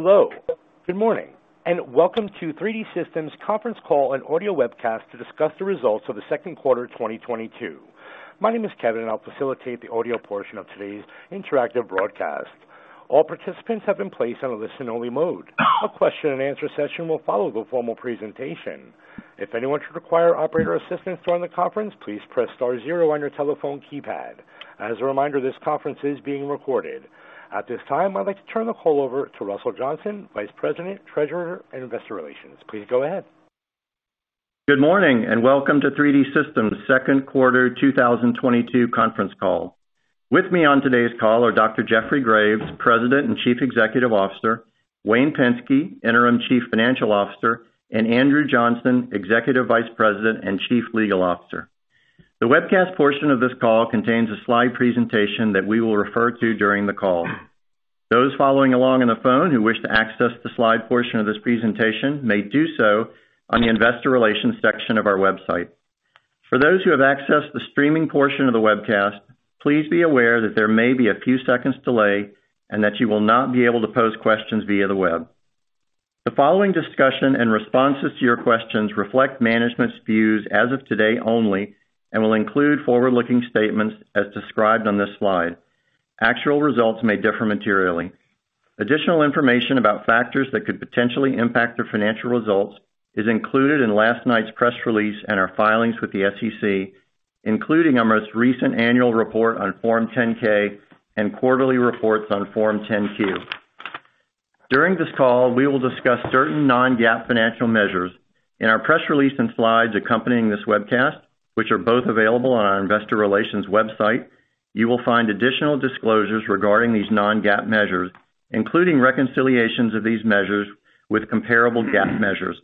Hello, good morning, and welcome to 3D Systems conference call and audio webcast to discuss the results of the second quarter 2022. My name is Kevin, and I'll facilitate the audio portion of today's interactive broadcast. All participants have been placed on a listen-only mode. A question-and-answer session will follow the formal presentation. If anyone should require operator assistance during the conference, please press star zero on your telephone keypad. As a reminder, this conference is being recorded. At this time, I'd like to turn the call over to Russell Johnson, Vice President, Treasurer, and Investor Relations. Please go ahead. Good morning, and welcome to 3D Systems' second quarter 2022 conference call. With me on today's call are Dr. Jeffrey Graves, President and Chief Executive Officer, Wayne Pensky, Interim Chief Financial Officer, and Andrew Johnson, Executive Vice President and Chief Legal Officer. The webcast portion of this call contains a slide presentation that we will refer to during the call. Those following along on the phone who wish to access the slide portion of this presentation may do so on the investor relations section of our website. For those who have accessed the streaming portion of the webcast, please be aware that there may be a few seconds' delay and that you will not be able to pose questions via the web. The following discussion and responses to your questions reflect management's views as of today only and will include forward-looking statements as described on this slide. Actual results may differ materially. Additional information about factors that could potentially impact their financial results is included in last night's press release and our filings with the SEC, including our most recent annual report on Form 10-K and quarterly reports on Form 10-Q. During this call, we will discuss certain non-GAAP financial measures. In our press release and slides accompanying this webcast, which are both available on our investor relations website, you will find additional disclosures regarding these non-GAAP measures, including reconciliations of these measures with comparable GAAP measures.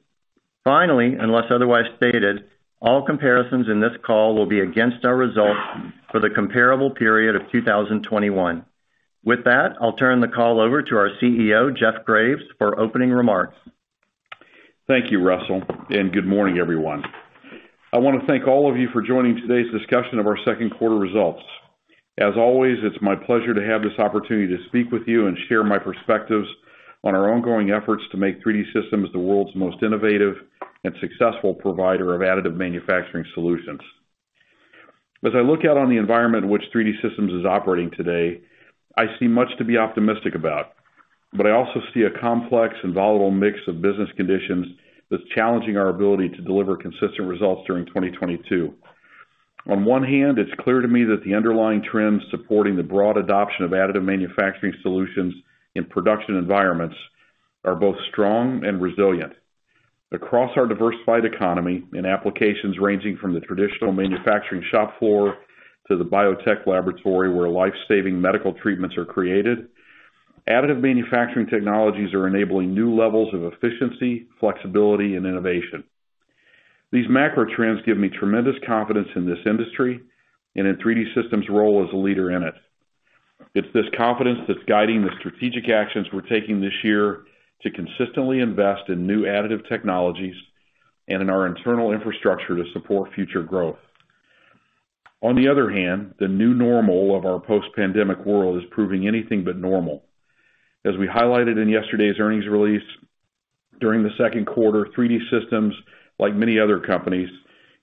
Finally, unless otherwise stated, all comparisons in this call will be against our results for the comparable period of 2021. With that, I'll turn the call over to our CEO, Jeff Graves for opening remarks. Thank you, Russell, and good morning, everyone. I want to thank all of you for joining today's discussion of our second quarter results. As always, it's my pleasure to have this opportunity to speak with you and share my perspectives on our ongoing efforts to make 3D Systems the world's most innovative and successful provider of additive manufacturing solutions. As I look out on the environment in which 3D Systems is operating today, I see much to be optimistic about, but I also see a complex and volatile mix of business conditions that's challenging our ability to deliver consistent results during 2022. On one hand, it's clear to me that the underlying trends supporting the broad adoption of additive manufacturing solutions in production environments are both strong and resilient. Across our diversified economy in applications ranging from the traditional manufacturing shop floor to the biotech laboratory where life-saving medical treatments are created, additive manufacturing technologies are enabling new levels of efficiency, flexibility, and innovation. These macro trends give me tremendous confidence in this industry and in 3D Systems' role as a leader in it. It's this confidence that's guiding the strategic actions we're taking this year to consistently invest in new additive technologies and in our internal infrastructure to support future growth. On the other hand, the new normal of our post-pandemic world is proving anything but normal. As we highlighted in yesterday's earnings release, during the second quarter, 3D Systems, like many other companies,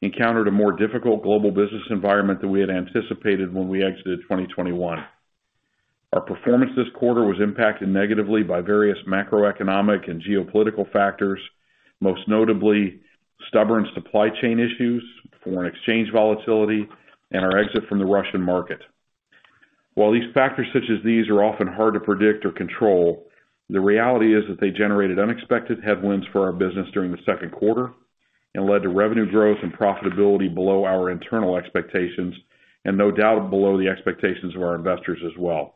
encountered a more difficult global business environment than we had anticipated when we exited 2021. Our performance this quarter was impacted negatively by various macroeconomic and geopolitical factors, most notably stubborn supply chain issues, foreign exchange volatility, and our exit from the Russian market. While these factors are often hard to predict or control, the reality is that they generated unexpected headwinds for our business during the second quarter and led to revenue growth and profitability below our internal expectations, and no doubt below the expectations of our investors as well.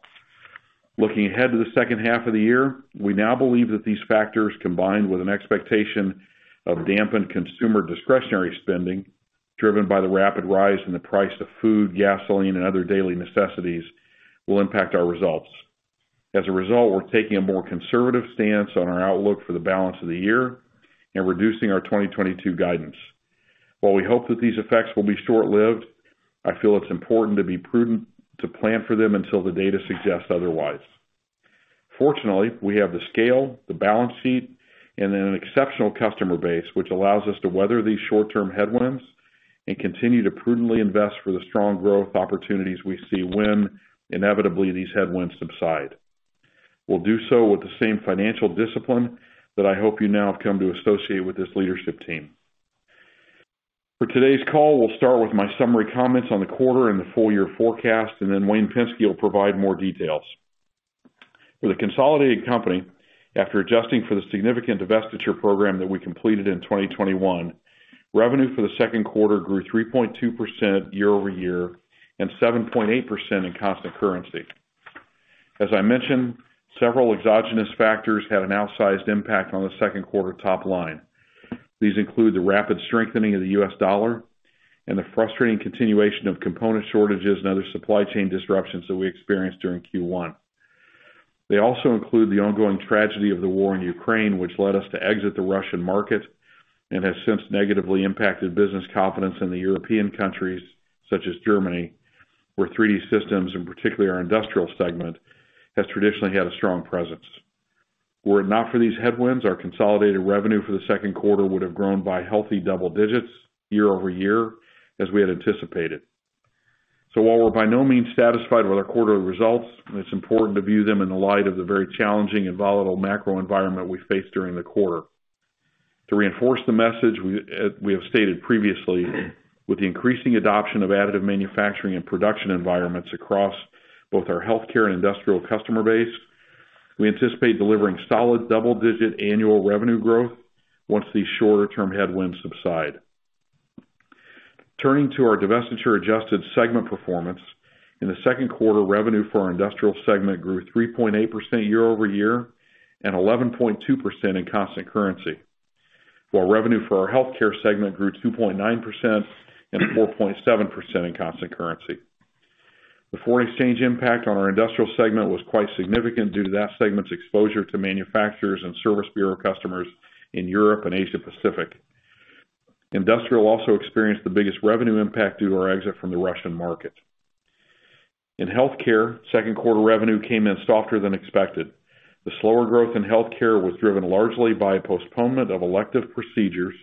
Looking ahead to the second half of the year, we now believe that these factors, combined with an expectation of dampened consumer discretionary spending, driven by the rapid rise in the price of food, gasoline, and other daily necessities, will impact our results. As a result, we're taking a more conservative stance on our outlook for the balance of the year and reducing our 2022 guidance. While we hope that these effects will be short-lived, I feel it's important to be prudent to plan for them until the data suggests otherwise. Fortunately, we have the scale, the balance sheet, and an exceptional customer base, which allows us to weather these short-term headwinds and continue to prudently invest for the strong growth opportunities we see when inevitably these headwinds subside. We'll do so with the same financial discipline that I hope you now have come to associate with this leadership team. For today's call, we'll start with my summary comments on the quarter and the full year forecast, and then Wayne Pensky will provide more details. For the consolidated company, after adjusting for the significant divestiture program that we completed in 2021, revenue for the second quarter grew 3.2% year-over-year and 7.8% in constant currency. As I mentioned, several exogenous factors had an outsized impact on the second quarter top line. These include the rapid strengthening of the U.S. dollar and the frustrating continuation of component shortages and other supply chain disruptions that we experienced during Q1. They also include the ongoing tragedy of the war in Ukraine, which led us to exit the Russian market and has since negatively impacted business confidence in the European countries such as Germany, where 3D Systems, and particularly our industrial segment, has traditionally had a strong presence. Were it not for these headwinds, our consolidated revenue for the second quarter would have grown by healthy double digits year-over-year, as we had anticipated. While we're by no means satisfied with our quarterly results, it's important to view them in the light of the very challenging and volatile macro environment we faced during the quarter. To reinforce the message we have stated previously, with the increasing adoption of additive manufacturing and production environments across both our healthcare and industrial customer base, we anticipate delivering solid double-digit annual revenue growth once these shorter-term headwinds subside. Turning to our divestiture-adjusted segment performance. In the second quarter, revenue for our industrial segment grew 3.8% year-over-year and 11.2% in constant currency, while revenue for our healthcare segment grew 2.9% and 4.7% in constant currency. The foreign exchange impact on our industrial segment was quite significant due to that segment's exposure to manufacturers and service bureau customers in Europe and Asia Pacific. Industrial also experienced the biggest revenue impact due to our exit from the Russian market. In healthcare, second quarter revenue came in softer than expected. The slower growth in healthcare was driven largely by postponement of elective procedures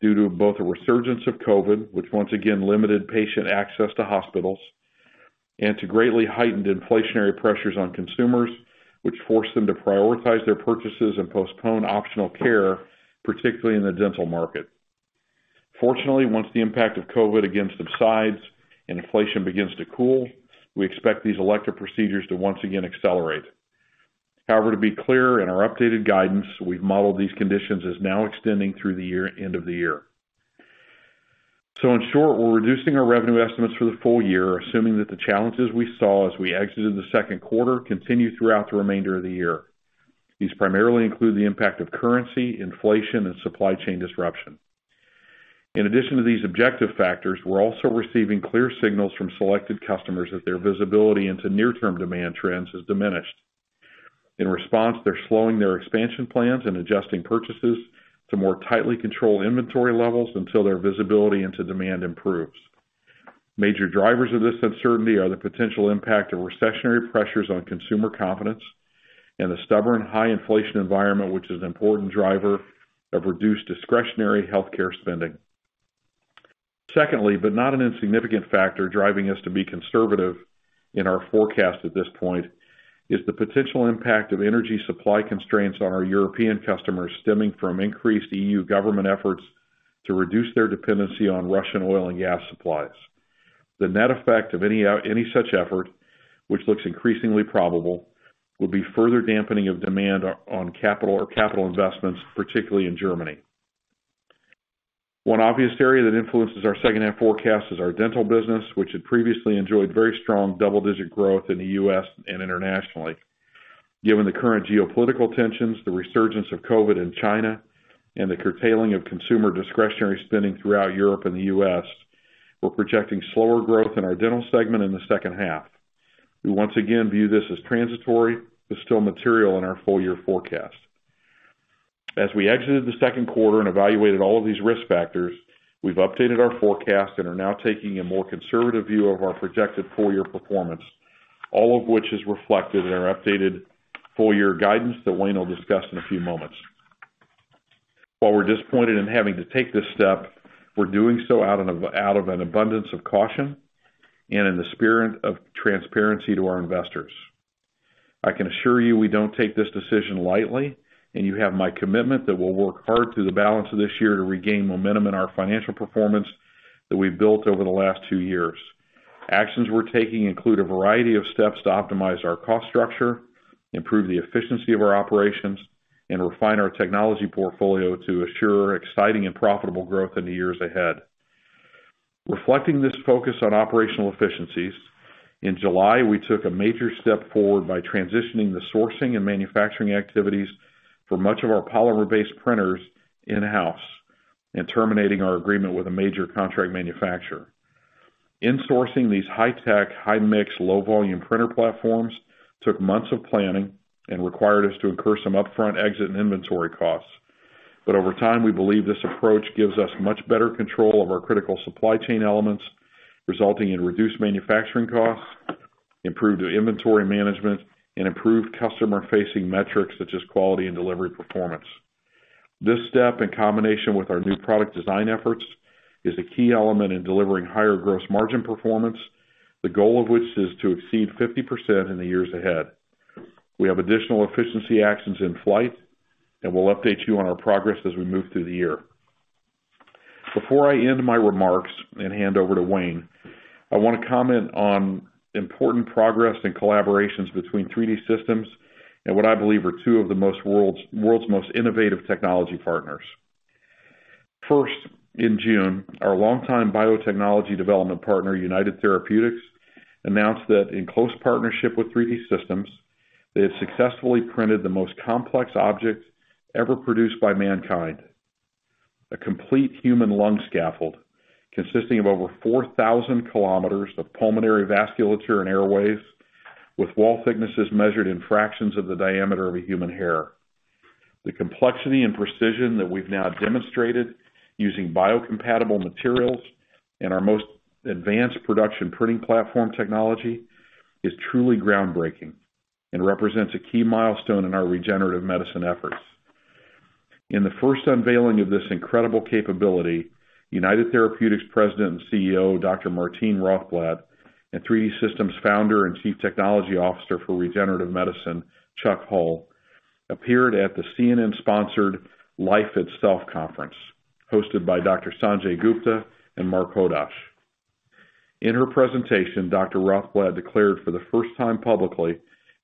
due to both a resurgence of COVID, which once again limited patient access to hospitals, and to greatly heightened inflationary pressures on consumers, which forced them to prioritize their purchases and postpone optional care, particularly in the dental market. Fortunately, once the impact of COVID again subsides and inflation begins to cool, we expect these elective procedures to once again accelerate. However, to be clear, in our updated guidance, we've modeled these conditions as now extending through the year, end of the year. In short, we're reducing our revenue estimates for the full year, assuming that the challenges we saw as we exited the second quarter continue throughout the remainder of the year. These primarily include the impact of currency, inflation, and supply chain disruption. In addition to these objective factors, we're also receiving clear signals from selected customers that their visibility into near-term demand trends has diminished. In response, they're slowing their expansion plans and adjusting purchases to more tightly control inventory levels until their visibility into demand improves. Major drivers of this uncertainty are the potential impact of recessionary pressures on consumer confidence and the stubborn high inflation environment, which is an important driver of reduced discretionary healthcare spending. Secondly, but not an insignificant factor driving us to be conservative in our forecast at this point, is the potential impact of energy supply constraints on our European customers stemming from increased E.U. government efforts to reduce their dependency on Russian oil and gas supplies. The net effect of any such effort, which looks increasingly probable, would be further dampening of demand on capital investments, particularly in Germany. One obvious area that influences our second half forecast is our dental business, which had previously enjoyed very strong double-digit growth in the U.S. and internationally. Given the current geopolitical tensions, the resurgence of COVID in China, and the curtailing of consumer discretionary spending throughout Europe and the U.S., we're projecting slower growth in our dental segment in the second half. We once again view this as transitory, but still material in our full year forecast. As we exited the second quarter and evaluated all of these risk factors, we've updated our forecast and are now taking a more conservative view of our projected full year performance, all of which is reflected in our updated full year guidance that Wayne will discuss in a few moments. While we're disappointed in having to take this step, we're doing so out of an abundance of caution and in the spirit of transparency to our investors. I can assure you we don't take this decision lightly, and you have my commitment that we'll work hard through the balance of this year to regain momentum in our financial performance that we've built over the last two years. Actions we're taking include a variety of steps to optimize our cost structure, improve the efficiency of our operations, and refine our technology portfolio to assure exciting and profitable growth in the years ahead. Reflecting this focus on operational efficiencies, in July, we took a major step forward by transitioning the sourcing and manufacturing activities for much of our polymer-based printers in-house and terminating our agreement with a major contract manufacturer. Insourcing these high-tech, high-mix, low-volume printer platforms took months of planning and required us to incur some upfront exit and inventory costs. Over time, we believe this approach gives us much better control of our critical supply chain elements, resulting in reduced manufacturing costs, improved inventory management, and improved customer-facing metrics such as quality and delivery performance. This step, in combination with our new product design efforts, is a key element in delivering higher gross margin performance, the goal of which is to exceed 50% in the years ahead. We have additional efficiency actions in flight, and we'll update you on our progress as we move through the year. Before I end my remarks and hand over to Wayne Pensky, I want to comment on important progress and collaborations between 3D Systems and what I believe are two of the world's most innovative technology partners. First, in June, our longtime biotechnology development partner, United Therapeutics, announced that in close partnership with 3D Systems, they have successfully printed the most complex object ever produced by mankind, a complete human lung scaffold consisting of over 4,000 km of pulmonary vasculature and airways with wall thicknesses measured in fractions of the diameter of a human hair. The complexity and precision that we've now demonstrated using biocompatible materials and our most advanced production printing platform technology is truly groundbreaking and represents a key milestone in our regenerative medicine efforts. In the first unveiling of this incredible capability, United Therapeutics President and CEO, Dr. Martine Rothblatt, and 3D Systems Founder and Chief Technology Officer for Regenerative Medicine, Chuck Hull, appeared at the CNN-sponsored Life Itself conference, hosted by Dr. Sanjay Gupta and Marc Hodosh. In her presentation, Dr. Rothblatt declared for the first time publicly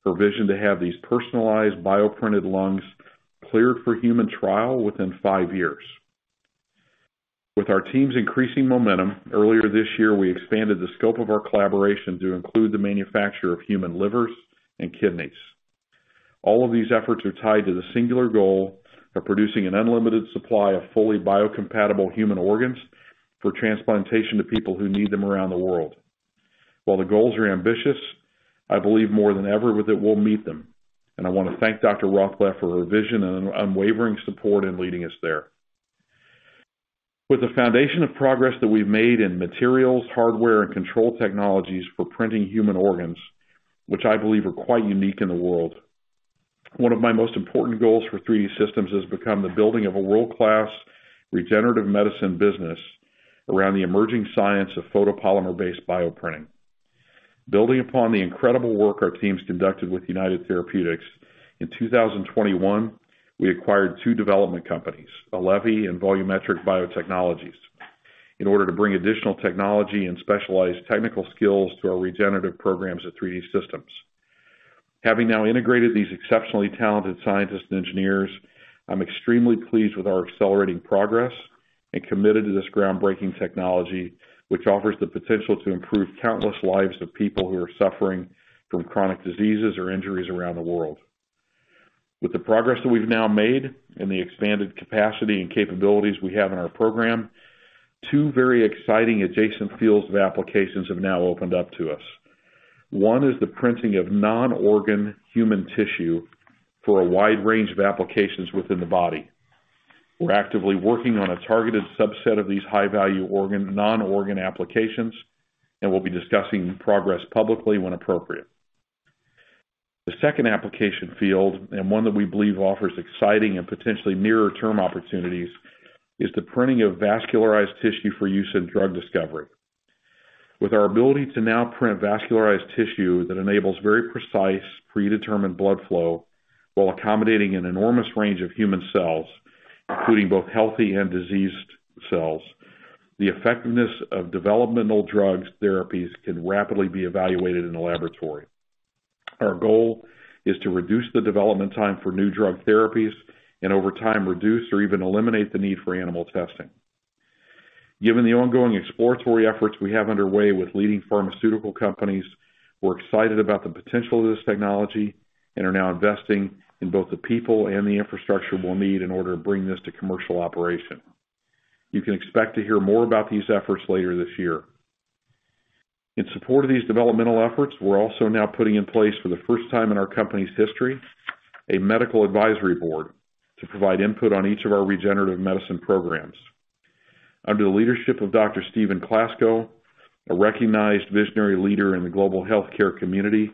her vision to have these personalized bioprinted lungs cleared for human trial within five years. With our team's increasing momentum, earlier this year, we expanded the scope of our collaboration to include the manufacture of human livers and kidneys. All of these efforts are tied to the singular goal of producing an unlimited supply of fully biocompatible human organs for transplantation to people who need them around the world. While the goals are ambitious, I believe more than ever that we'll meet them, and I want to thank Dr. Rothblatt for her vision and unwavering support in leading us there. With the foundation of progress that we've made in materials, hardware, and control technologies for printing human organs, which I believe are quite unique in the world, one of my most important goals for 3D Systems has become the building of a world-class regenerative medicine business around the emerging science of photopolymer-based bioprinting. Building upon the incredible work our teams conducted with United Therapeutics, in 2021, we acquired two development companies, Allevi and Volumetric Biotechnologies, in order to bring additional technology and specialized technical skills to our regenerative programs at 3D Systems. Having now integrated these exceptionally talented scientists and engineers, I'm extremely pleased with our accelerating progress and committed to this groundbreaking technology, which offers the potential to improve countless lives of people who are suffering from chronic diseases or injuries around the world. With the progress that we've now made and the expanded capacity and capabilities we have in our program, two very exciting adjacent fields of applications have now opened up to us. One is the printing of non-organ human tissue for a wide range of applications within the body. We're actively working on a targeted subset of these high-value non-organ applications, and we'll be discussing progress publicly when appropriate. The second application field, and one that we believe offers exciting and potentially nearer-term opportunities, is the printing of vascularized tissue for use in drug discovery. With our ability to now print vascularized tissue that enables very precise predetermined blood flow while accommodating an enormous range of human cells, including both healthy and diseased cells, the effectiveness of developmental drug therapies can rapidly be evaluated in a laboratory. Our goal is to reduce the development time for new drug therapies and over time, reduce or even eliminate the need for animal testing. Given the ongoing exploratory efforts we have underway with leading pharmaceutical companies, we're excited about the potential of this technology and are now investing in both the people and the infrastructure we'll need in order to bring this to commercial operation. You can expect to hear more about these efforts later this year. In support of these developmental efforts, we're also now putting in place, for the first time in our company's history, a medical advisory board to provide input on each of our regenerative medicine programs. Under the leadership of Dr. Stephen Klasko, a recognized visionary leader in the global healthcare community,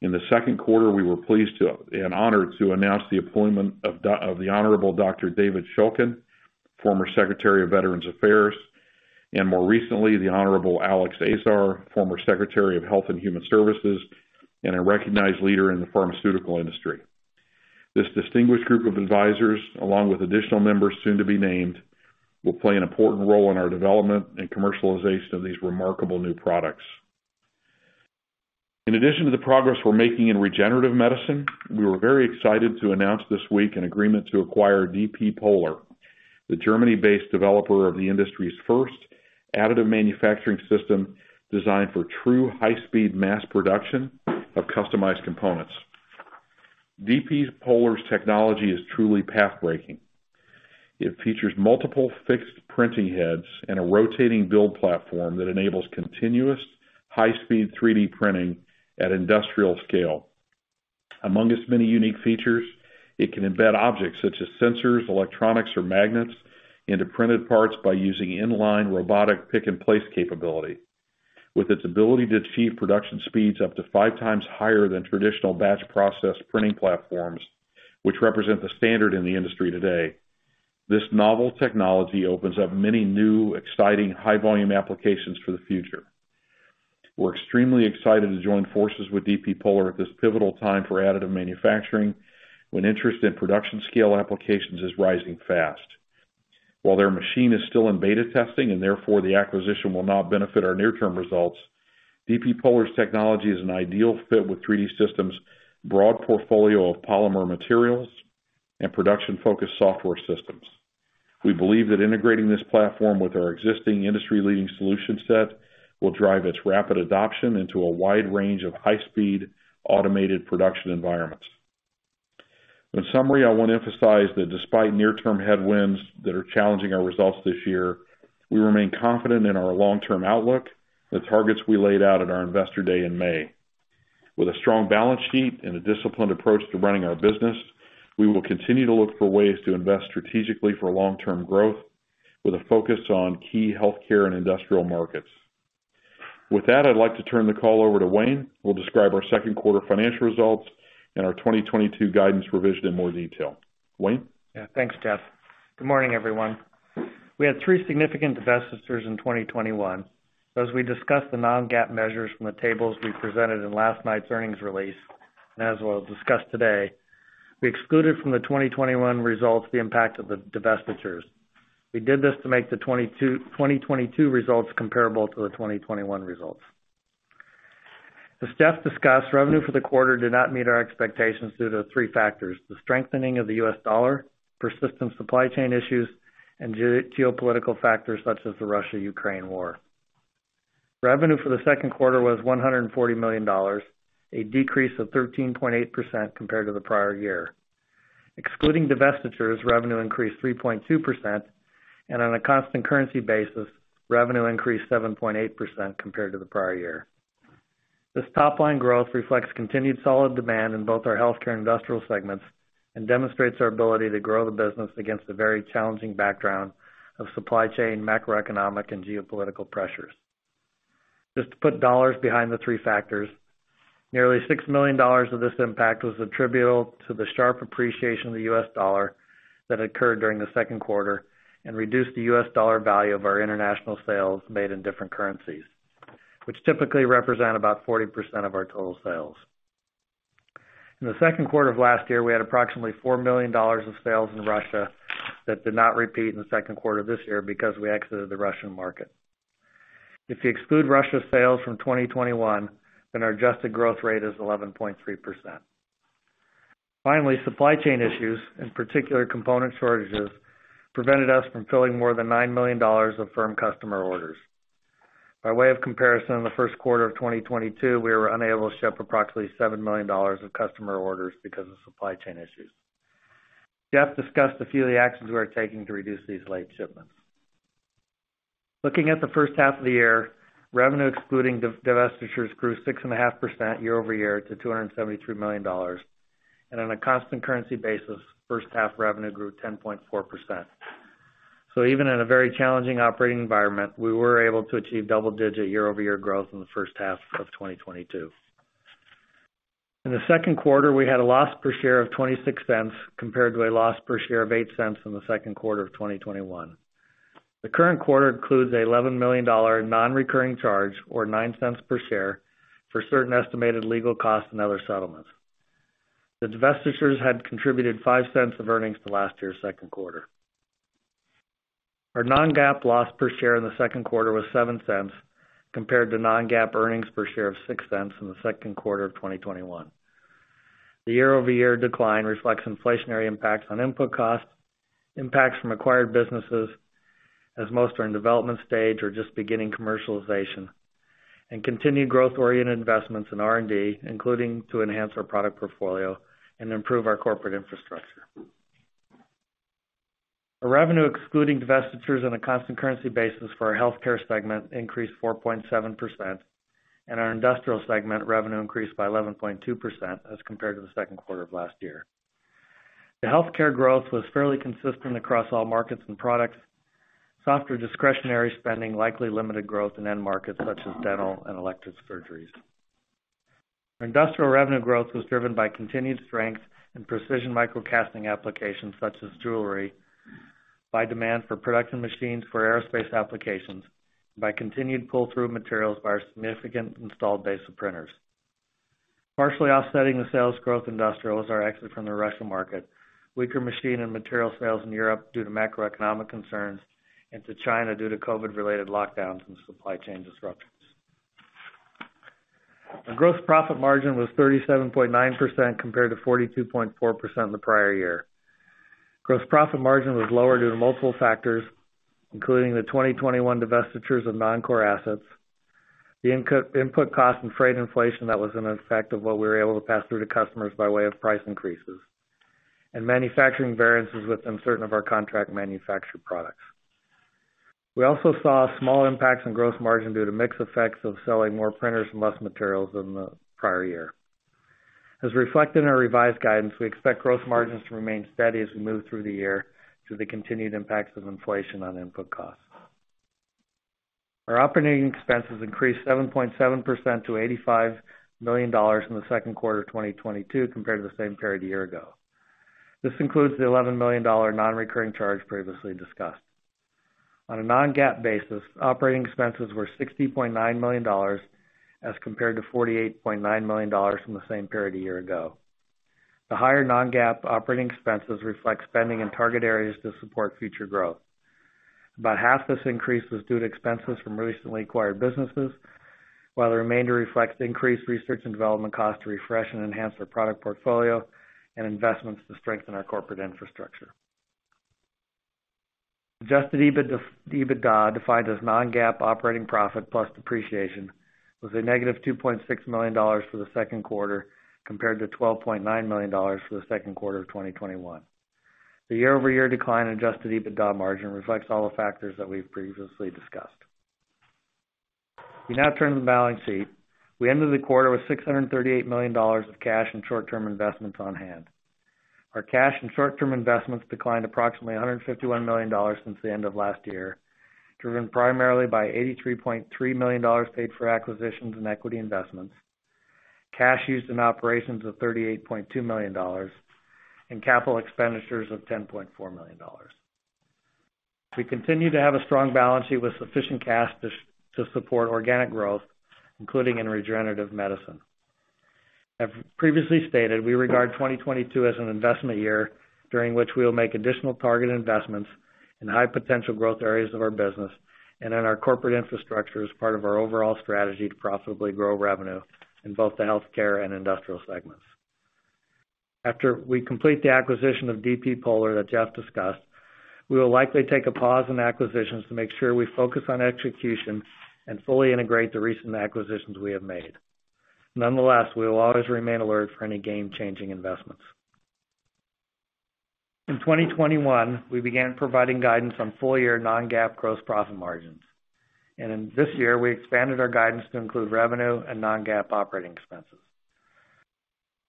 in the second quarter, we were pleased and honored to announce the appointment of the Honorable Dr. David Shulkin, Former Secretary of Veterans Affairs, and more recently, the Honorable Alex Azar, Former Secretary of Health and Human Services, and a recognized leader in the pharmaceutical industry. This distinguished group of advisors, along with additional members soon to be named, will play an important role in our development and commercialization of these remarkable new products. In addition to the progress we're making in regenerative medicine, we were very excited to announce this week an agreement to acquire dp polar GmbH, the Germany-based developer of the industry's first additive manufacturing system designed for true high-speed mass production of customized components. dp polar GmbH's technology is truly pathbreaking. It features multiple fixed printing heads and a rotating build platform that enables continuous high-speed 3D printing at industrial scale. Among its many unique features, it can embed objects such as sensors, electronics, or magnets into printed parts by using in-line robotic pick-and-place capability. With its ability to achieve production speeds up to 5x higher than traditional batch process printing platforms, which represent the standard in the industry today, this novel technology opens up many new, exciting high-volume applications for the future. We're extremely excited to join forces with dp polar at this pivotal time for additive manufacturing, when interest in production scale applications is rising fast. While their machine is still in beta testing, and therefore the acquisition will not benefit our near-term results, dp polar's technology is an ideal fit with 3D Systems' broad portfolio of polymer materials and production-focused software systems. We believe that integrating this platform with our existing industry-leading solution set will drive its rapid adoption into a wide range of high-speed automated production environments. In summary, I want to emphasize that despite near-term headwinds that are challenging our results this year, we remain confident in our long-term outlook, the targets we laid out at our Investor Day in May. With a strong balance sheet and a disciplined approach to running our business, we will continue to look for ways to invest strategically for long-term growth with a focus on key healthcare and industrial markets. With that, I'd like to turn the call over to Wayne Pensky, who will describe our second quarter financial results and our 2022 guidance revision in more detail. Wayne? Yeah. Thanks, Jeff. Good morning, everyone. We had three significant divestitures in 2021. As we discuss the non-GAAP measures from the tables we presented in last night's earnings release, and as we'll discuss today, we excluded from the 2021 results the impact of the divestitures. We did this to make the 2022 results comparable to the 2021 results. As Jeff discussed, revenue for the quarter did not meet our expectations due to three factors, the strengthening of the U.S. dollar, persistent supply chain issues, and geopolitical factors such as the Russia-Ukraine war. Revenue for the second quarter was $140 million, a decrease of 13.8% compared to the prior year. Excluding divestitures, revenue increased 3.2%, and on a constant currency basis, revenue increased 7.8% compared to the prior year. This top line growth reflects continued solid demand in both our healthcare and industrial segments and demonstrates our ability to grow the business against a very challenging background of supply chain, macroeconomic, and geopolitical pressures. Just to put dollars behind the three factors, nearly $6 million of this impact was attributable to the sharp appreciation of the U.S. dollar that occurred during the second quarter and reduced the U.S. dollar value of our international sales made in different currencies, which typically represent about 40% of our total sales. In the second quarter of last year, we had approximately $4 million of sales in Russia that did not repeat in the second quarter of this year because we exited the Russian market. If you exclude Russia sales from 2021, then our adjusted growth rate is 11.3%. Finally, supply chain issues, in particular component shortages, prevented us from filling more than $9 million of firm customer orders. By way of comparison, in the first quarter of 2022, we were unable to ship approximately $7 million of customer orders because of supply chain issues. Jeff discussed a few of the actions we are taking to reduce these late shipments. Looking at the first half of the year, revenue excluding divestitures grew 6.5% year-over-year to $273 million. On a constant currency basis, first half revenue grew 10.4%. Even in a very challenging operating environment, we were able to achieve double-digit year-over-year growth in the first half of 2022. In the second quarter, we had a loss per share of $0.26 compared to a loss per share of $0.08 in the second quarter of 2021. The current quarter includes $11 million non-recurring charge or $0.09 per share for certain estimated legal costs and other settlements. The divestitures had contributed $0.05 of earnings to last year's second quarter. Our non-GAAP loss per share in the second quarter was $0.07 compared to non-GAAP earnings per share of $0.06 in the second quarter of 2021. The year-over-year decline reflects inflationary impacts on input costs, impacts from acquired businesses, as most are in development stage or just beginning commercialization, and continued growth-oriented investments in R&D, including to enhance our product portfolio and improve our corporate infrastructure. Our revenue excluding divestitures on a constant currency basis for our healthcare segment increased 4.7%, and our industrial segment revenue increased by 11.2% as compared to the second quarter of last year. The healthcare growth was fairly consistent across all markets and products. Softer discretionary spending likely limited growth in end markets such as dental and elective surgeries. Our industrial revenue growth was driven by continued strength in precision micro casting applications such as jewelry, by demand for production machines for aerospace applications, and by continued pull-through materials by our significant installed base of printers. Partially offsetting the sales growth in industrial is our exit from the Russian market, weaker machine and material sales in Europe due to macroeconomic concerns, and to China due to COVID-related lockdowns and supply chain disruptions. Our gross profit margin was 37.9% compared to 42.4% the prior year. Gross profit margin was lower due to multiple factors, including the 2021 divestitures of non-core assets, the input cost and freight inflation that was an effect of what we were able to pass through to customers by way of price increases, and manufacturing variances within certain of our contract manufactured products. We also saw small impacts on gross margin due to mix effects of selling more printers and less materials than the prior year. As reflected in our revised guidance, we expect gross margins to remain steady as we move through the year due to the continued impacts of inflation on input costs. Our operating expenses increased 7.7% to $85 million in the second quarter of 2022 compared to the same period a year ago. This includes the $11 million non-recurring charge previously discussed. On a non-GAAP basis, operating expenses were $60.9 million as compared to $48.9 million from the same period a year ago. The higher non-GAAP operating expenses reflect spending in target areas to support future growth. About half this increase was due to expenses from recently acquired businesses, while the remainder reflects increased research and development costs to refresh and enhance their product portfolio and investments to strengthen our corporate infrastructure. Adjusted EBITDA, defined as non-GAAP operating profit plus depreciation, was -$2.6 million for the second quarter compared to $12.9 million for the second quarter of 2021. The year-over-year decline in adjusted EBITDA margin reflects all the factors that we've previously discussed. We now turn to the balance sheet. We ended the quarter with $638 million of cash and short-term investments on hand. Our cash and short-term investments declined approximately $151 million since the end of last year, driven primarily by $83.3 million paid for acquisitions and equity investments, cash used in operations of $38.2 million, and capital expenditures of $10.4 million. We continue to have a strong balance sheet with sufficient cash to support organic growth, including in regenerative medicine. As previously stated, we regard 2022 as an investment year during which we will make additional targeted investments in high potential growth areas of our business and in our corporate infrastructure as part of our overall strategy to profitably grow revenue in both the healthcare and industrial segments. After we complete the acquisition of dp polar GmbH that Jeff discussed, we will likely take a pause in acquisitions to make sure we focus on execution and fully integrate the recent acquisitions we have made. Nonetheless, we will always remain alert for any game-changing investments. In 2021, we began providing guidance on full year non-GAAP gross profit margins, and in this year, we expanded our guidance to include revenue and non-GAAP operating expenses.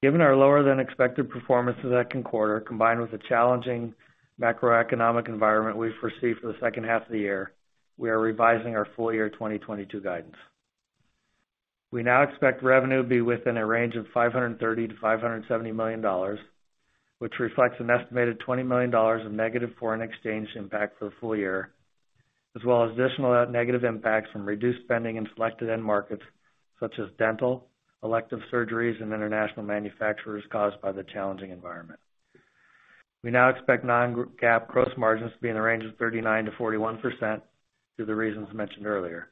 Given our lower-than-expected performance in the second quarter, combined with the challenging macroeconomic environment we foresee for the second half of the year, we are revising our full year 2022 guidance. We now expect revenue to be within a range of $530 million-$570 million, which reflects an estimated $20 million of negative foreign exchange impact for the full year, as well as additional negative impacts from reduced spending in selected end markets such as dental, elective surgeries, and international manufacturers caused by the challenging environment. We now expect non-GAAP gross margins to be in the range of 39%-41% due to the reasons mentioned earlier.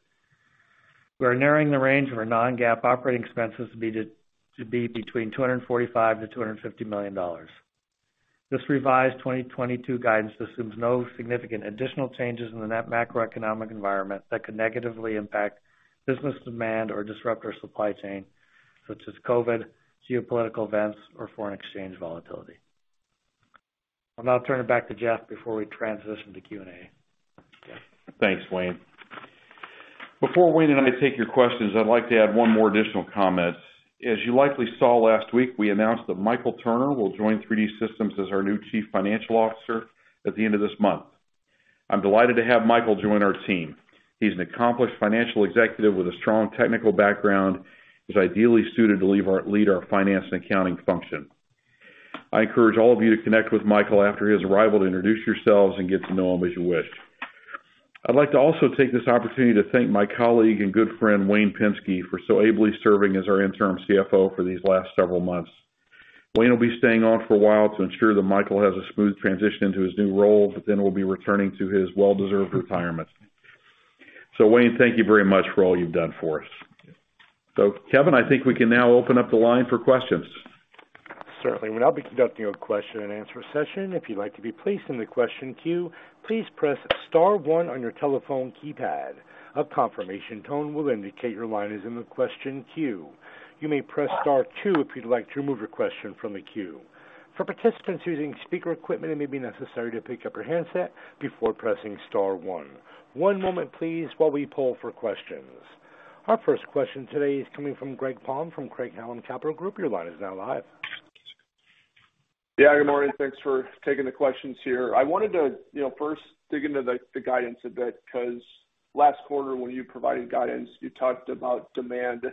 We are narrowing the range of our non-GAAP operating expenses to be between $245 million-$250 million. This revised 2022 guidance assumes no significant additional changes in the net macroeconomic environment that could negatively impact business demand or disrupt our supply chain, such as COVID, geopolitical events, or foreign exchange volatility. I'll now turn it back to Jeff before we transition to Q&A. Jeff? Thanks, Wayne Pensky. Before Wayne Pensky and I take your questions, I'd like to add one more additional comment. As you likely saw last week, we announced that Michael Turner will join 3D Systems as our new Chief Financial Officer at the end of this month. I'm delighted to have Michael join our team. He's an accomplished financial executive with a strong technical background. He's ideally suited to lead our finance and accounting function. I encourage all of you to connect with Michael after his arrival to introduce yourselves and get to know him as you wish. I'd like to also take this opportunity to thank my colleague and good friend, Wayne Pensky, for so ably serving as our interim CFO for these last several months. Wayne will be staying on for a while to ensure that Michael has a smooth transition into his new role but then will be returning to his well-deserved retirement. Wayne, thank you very much for all you've done for us. Kevin, I think we can now open up the line for questions. Certainly. We'll now be conducting a question-and-answer session. If you'd like to be placed in the question queue, please press star one on your telephone keypad. A confirmation tone will indicate your line is in the question queue. You may press star two if you'd like to remove your question from the queue. For participants using speaker equipment, it may be necessary to pick up your handset before pressing star one. One moment, please, while we poll for questions. Our first question today is coming from Greg Palm from Craig-Hallum Capital Group. Your line is now live. Yeah, good morning. Thanks for taking the questions here. I wanted to, you know, first dig into the guidance a bit, 'cause last quarter when you provided guidance, you talked about demand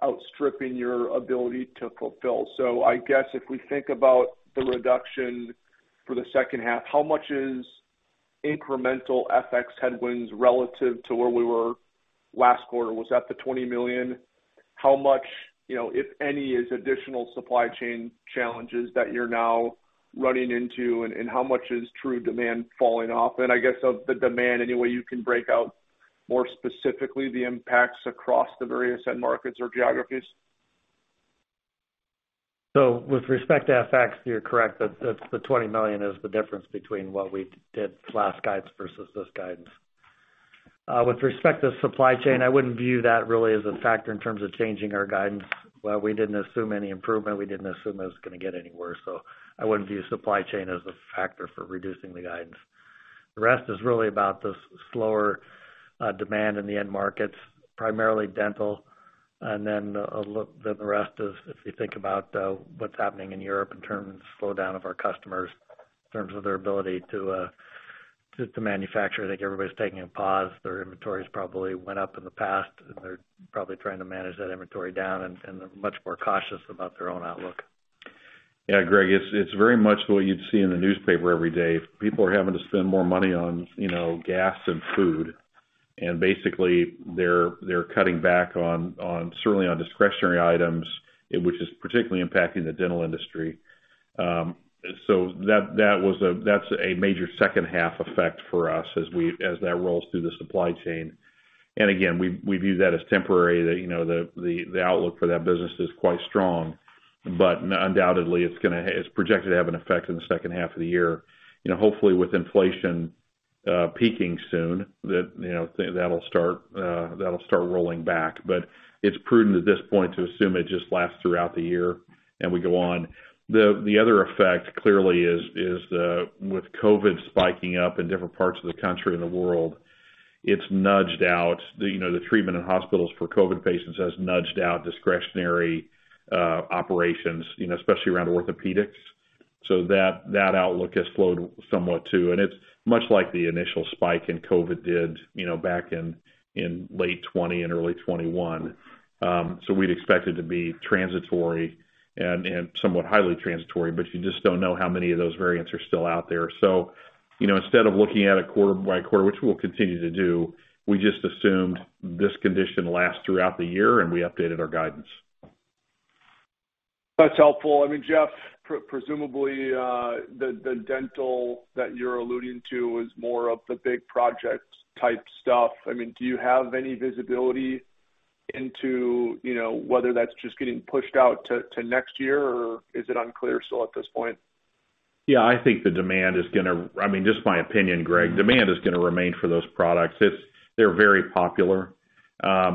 outstripping your ability to fulfill. I guess if we think about the reduction for the second half, how much is incremental FX headwinds relative to where we were last quarter? Was that the $20 million? How much, you know, if any, is additional supply chain challenges that you're now running into, and how much is true demand falling off? I guess of the demand, any way you can break out more specifically the impacts across the various end markets or geographies? With respect to FX, you're correct that the $20 million is the difference between what we did last guidance versus this guidance. With respect to supply chain, I wouldn't view that really as a factor in terms of changing our guidance. While we didn't assume any improvement, we didn't assume it was gonna get any worse. I wouldn't view supply chain as a factor for reducing the guidance. The rest is really about the slower demand in the end markets, primarily dental, and then the rest is, if you think about, what's happening in Europe in terms of slowdown of our customers, in terms of their ability to manufacture. I think everybody's taking a pause. Their inventories probably went up in the past. They're probably trying to manage that inventory down and they're much more cautious about their own outlook. Yeah, Greg, it's very much what you'd see in the newspaper every day. People are having to spend more money on, you know, gas and food, and basically, they're cutting back on certainly on discretionary items, which is particularly impacting the dental industry. That's a major second half effect for us as that rolls through the supply chain. Again, we view that as temporary. That, you know, the outlook for that business is quite strong. Undoubtedly, it's projected to have an effect in the second half of the year. You know, hopefully with inflation peaking soon, that'll start rolling back. It's prudent at this point to assume it just lasts throughout the year, and we go on. The other effect clearly is the with COVID spiking up in different parts of the country and the world, it's nudged out. You know, the treatment in hospitals for COVID patients has nudged out discretionary operations, you know, especially around orthopedics. That outlook has slowed somewhat too, and it's much like the initial spike in COVID did, you know, back in late 2020 and early 2021. We'd expect it to be transitory and somewhat highly transitory, but you just don't know how many of those variants are still out there. You know, instead of looking at it quarter by quarter, which we'll continue to do, we just assumed this condition lasts throughout the year, and we updated our guidance. That's helpful. I mean, Jeff, presumably, the dental that you're alluding to is more of the big project type stuff. I mean, do you have any visibility into, you know, whether that's just getting pushed out to next year, or is it unclear still at this point? Yeah, I think the demand is gonna, I mean, just my opinion, Greg, demand is gonna remain for those products. It's. They're very popular. I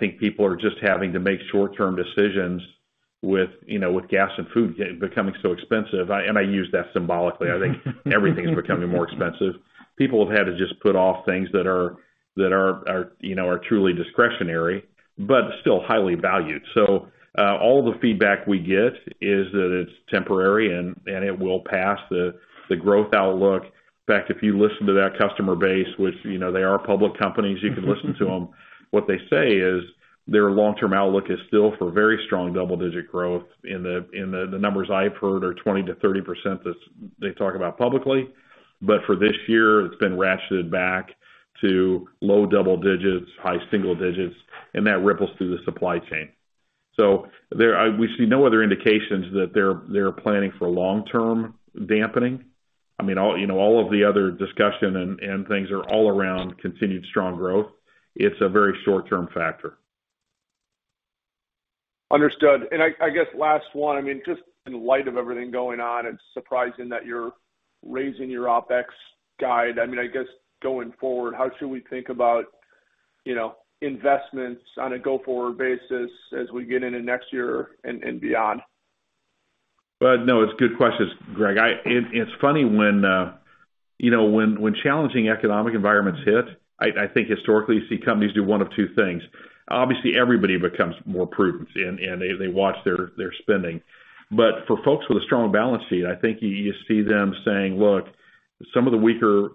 think people are just having to make short-term decisions with, you know, with gas and food becoming so expensive. I use that symbolically. I think everything is becoming more expensive. People have had to just put off things that are, you know, are truly discretionary, but still highly valued. All the feedback we get is that it's temporary and it will pass the growth outlook. In fact, if you listen to that customer base, which, you know, they are public companies, you can listen to them. What they say is their long-term outlook is still for very strong double-digit growth in the. The numbers I've heard are 20%-30%. That's what they talk about publicly. For this year, it's been ratcheted back to low double digits, high single digits, and that ripples through the supply chain. We see no other indications that they're planning for long-term dampening. I mean, all, you know, all of the other discussion and things are all around continued strong growth. It's a very short-term factor. Understood. I guess last one, I mean, just in light of everything going on, it's surprising that you're raising your OpEx guide. I mean, I guess going forward, how should we think about, you know, investments on a go-forward basis as we get into next year and beyond? No, it's good questions, Greg. It's funny when you know when challenging economic environments hit. I think historically you see companies do one of two things. Obviously, everybody becomes more prudent and they watch their spending. For folks with a strong balance sheet, I think you see them saying, "Look, some of the weaker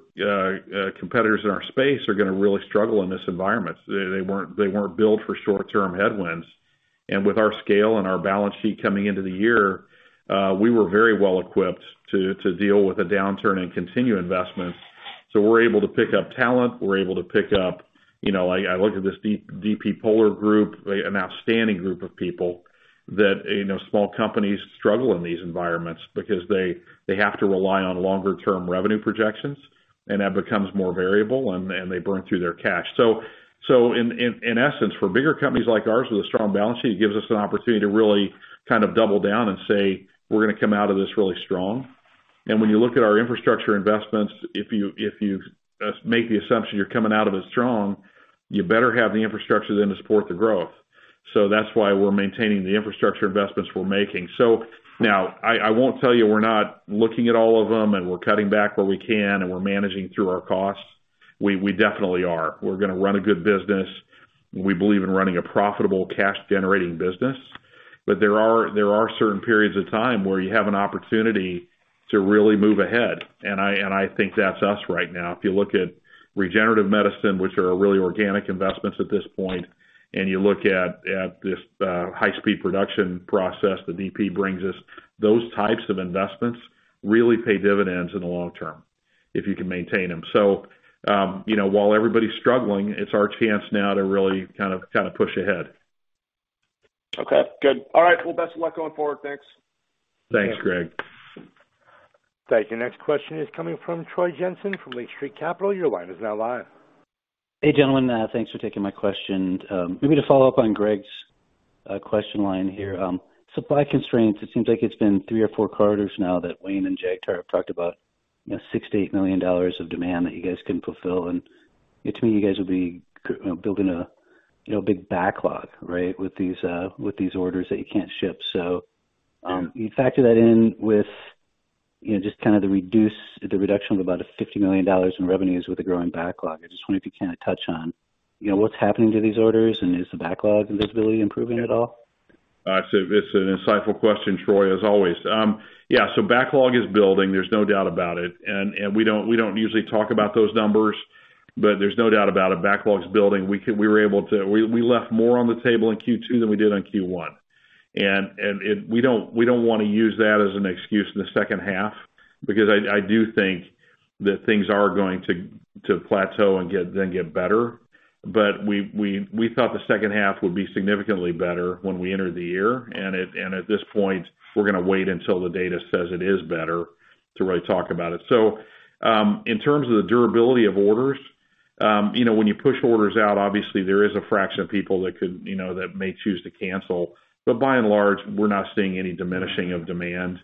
competitors in our space are gonna really struggle in this environment. They weren't built for short-term headwinds. With our scale and our balance sheet coming into the year, we were very well equipped to deal with a downturn and continue investments." We're able to pick up talent, we're able to pick up. You know, I look at this dp polar GmbH, an outstanding group of people that, you know, small companies struggle in these environments because they have to rely on longer term revenue projections, and that becomes more variable and they burn through their cash. In essence, for bigger companies like ours with a strong balance sheet, it gives us an opportunity to really kind of double down and say, "We're gonna come out of this really strong." When you look at our infrastructure investments, if you make the assumption you're coming out of it strong, you better have the infrastructure then to support the growth. That's why we're maintaining the infrastructure investments we're making. Now I won't tell you we're not looking at all of them, and we're cutting back where we can, and we're managing through our costs. We definitely are. We're gonna run a good business. We believe in running a profitable cash-generating business. There are certain periods of time where you have an opportunity to really move ahead, and I think that's us right now. If you look at regenerative medicine, which are really organic investments at this point, and you look at this high-speed production process that DP brings us, those types of investments really pay dividends in the long term if you can maintain them. You know, while everybody's struggling, it's our chance now to really kind of push ahead. Okay, good. All right. Well, best of luck going forward. Thanks. Thanks, Greg. Thank you. Next question is coming from Troy Jensen from Lake Street Capital. Your line is now live. Hey, gentlemen. Thanks for taking my question. Maybe to follow up on Greg's question line here. Supply constraints, it seems like it's been three or four quarters now that Wayne and Jake have talked about, you know, $60 million-$80 million of demand that you guys couldn't fulfill. To me, you guys will be, you know, building a big backlog, right, with these orders that you can't ship. You factor that in with, you know, just kind of the reduction of about $50 million in revenues with a growing backlog. I just wonder if you can touch on, you know, what's happening to these orders and is the backlog visibility improving at all? It's an insightful question, Troy, as always. Yeah, so backlog is building, there's no doubt about it. We don't usually talk about those numbers, but there's no doubt about it. Backlog's building. We were able to. We left more on the table in Q2 than we did in Q1. We don't wanna use that as an excuse in the second half because I do think that things are going to plateau and then get better. We thought the second half would be significantly better when we entered the year. At this point, we're gonna wait until the data says it is better to really talk about it. In terms of the durability of orders, you know, when you push orders out, obviously there is a fraction of people that could, you know, that may choose to cancel. By and large, we're not seeing any diminishing of demand.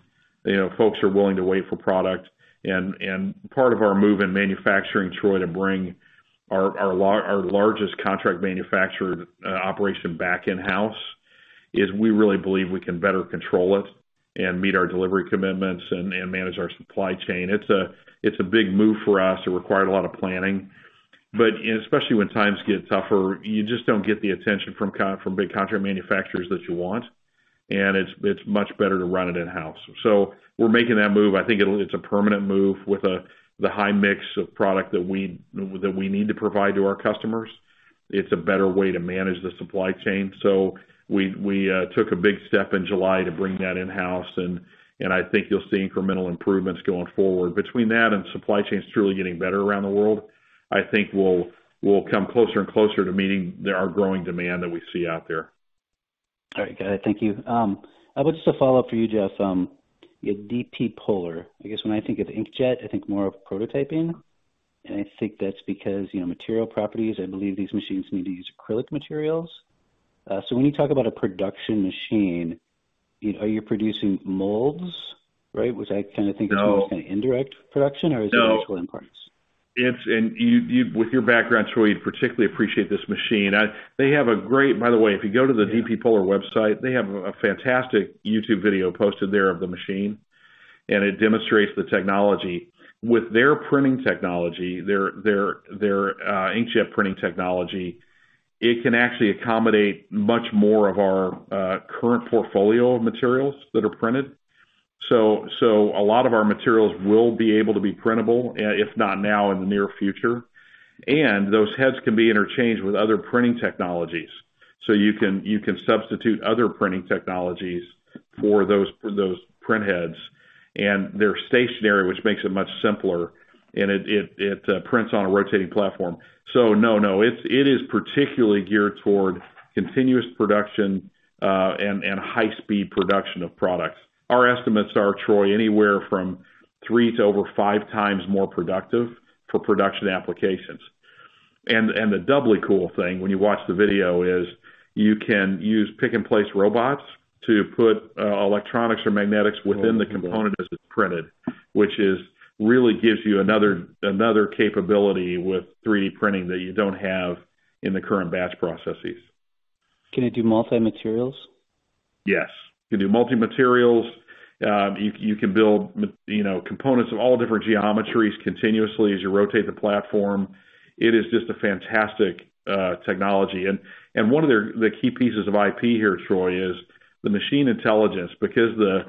You know, folks are willing to wait for product. Part of our move in manufacturing, Troy, to bring our largest contract manufacturer operation back in-house is we really believe we can better control it and meet our delivery commitments and manage our supply chain. It's a big move for us. It required a lot of planning. Especially when times get tougher, you just don't get the attention from big contract manufacturers that you want, and it's much better to run it in-house. We're making that move. I think it'll. It's a permanent move with the high mix of product that we need to provide to our customers. It's a better way to manage the supply chain. We took a big step in July to bring that in-house, and I think you'll see incremental improvements going forward. Between that and supply chains truly getting better around the world, I think we'll come closer and closer to meeting our growing demand that we see out there. All right, got it. Thank you. I would just a follow-up for you, Jeff. Yeah, dp polar. I guess when I think of inkjet, I think more of prototyping, and I think that's because, you know, material properties, I believe these machines need to use acrylic materials. So when you talk about a production machine, you are producing molds? Right? Which I kind of think of No. As more indirect production? Or is it. No. Just for end products? With your background, Troy, you'd particularly appreciate this machine. By the way, if you go to the dp polar website, they have a fantastic YouTube video posted there of the machine, and it demonstrates the technology. With their inkjet printing technology, it can actually accommodate much more of our current portfolio of materials that are printed. So a lot of our materials will be able to be printable, if not now, in the near future. Those heads can be interchanged with other printing technologies. You can substitute other printing technologies for those print heads. They're stationary, which makes it much simpler, and it prints on a rotating platform. No, no, it is particularly geared toward continuous production and high speed production of products. Our estimates are, Troy, anywhere from 3x to over 5x more productive for production applications. The doubly cool thing when you watch the video is you can use pick-and-place robots to put electronics or magnetics within the component as it's printed, which really gives you another capability with 3D printing that you don't have in the current batch processes. Can it do multi materials? Yes. It can do multi materials. You can build you know, components of all different geometries continuously as you rotate the platform. It is just a fantastic technology. One of their key pieces of IP here, Troy, is the machine intelligence. Because the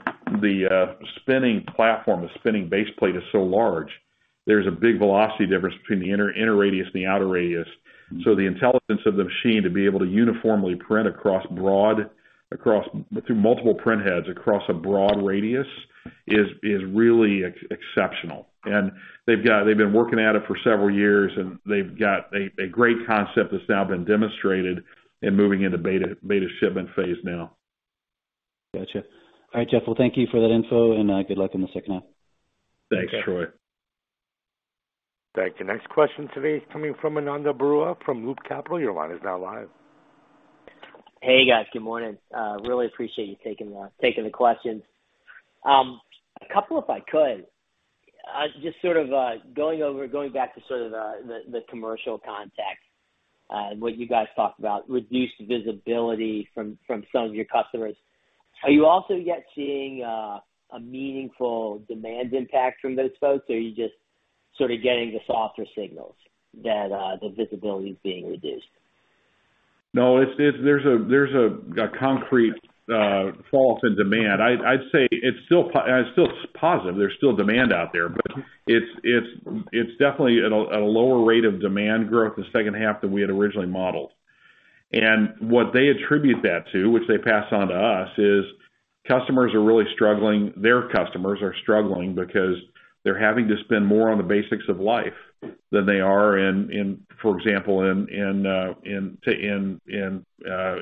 spinning platform, the spinning base plate is so large, there's a big velocity difference between the inner radius and the outer radius. So the intelligence of the machine to be able to uniformly print across broad through multiple print heads across a broad radius is really exceptional. They've been working at it for several years, and they've got a great concept that's now been demonstrated and moving into beta shipment phase now. Gotcha. All right, Jeff. Well, thank you for that info, and good luck on the second half. Thanks, Troy. Thank you. Next question today is coming from Ananda Baruah from Loop Capital. Your line is now live. Hey, guys. Good morning. Really appreciate you taking the questions. A couple, if I could. Just sort of going back to sort of the commercial context, and what you guys talked about, reduced visibility from some of your customers. Are you also yet seeing a meaningful demand impact from those folks? Or are you just sort of getting the softer signals that the visibility is being reduced? No, it's there's a concrete fall in demand. I'd say it's still positive. There's still demand out there. But it's definitely at a lower rate of demand growth this second half than we had originally modeled. What they attribute that to, which they pass on to us, is customers are really struggling. Their customers are struggling because they're having to spend more on the basics of life than they are in, for example,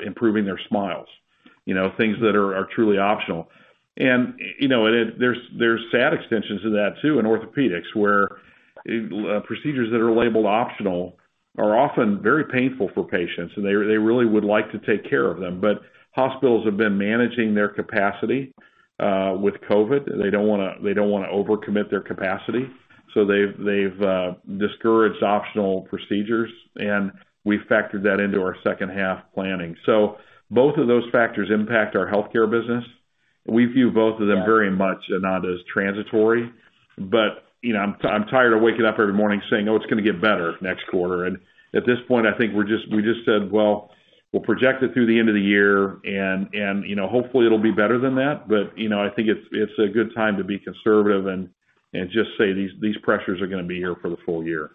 improving their smiles. You know, things that are truly optional. You know, there's sad extensions to that, too, in orthopedics, where procedures that are labeled optional are often very painful for patients, and they really would like to take care of them. Hospitals have been managing their capacity with COVID. They don't wanna overcommit their capacity, so they've discouraged optional procedures, and we factored that into our second half planning. Both of those factors impact our healthcare business. We view both of them very much, Ananda, as transitory. You know, I'm tired of waking up every morning saying, "Oh, it's gonna get better next quarter." At this point, I think we're just we just said, "Well, we'll project it through the end of the year and, you know, hopefully it'll be better than that." You know, I think it's a good time to be conservative and just say these pressures are gonna be here for the full year.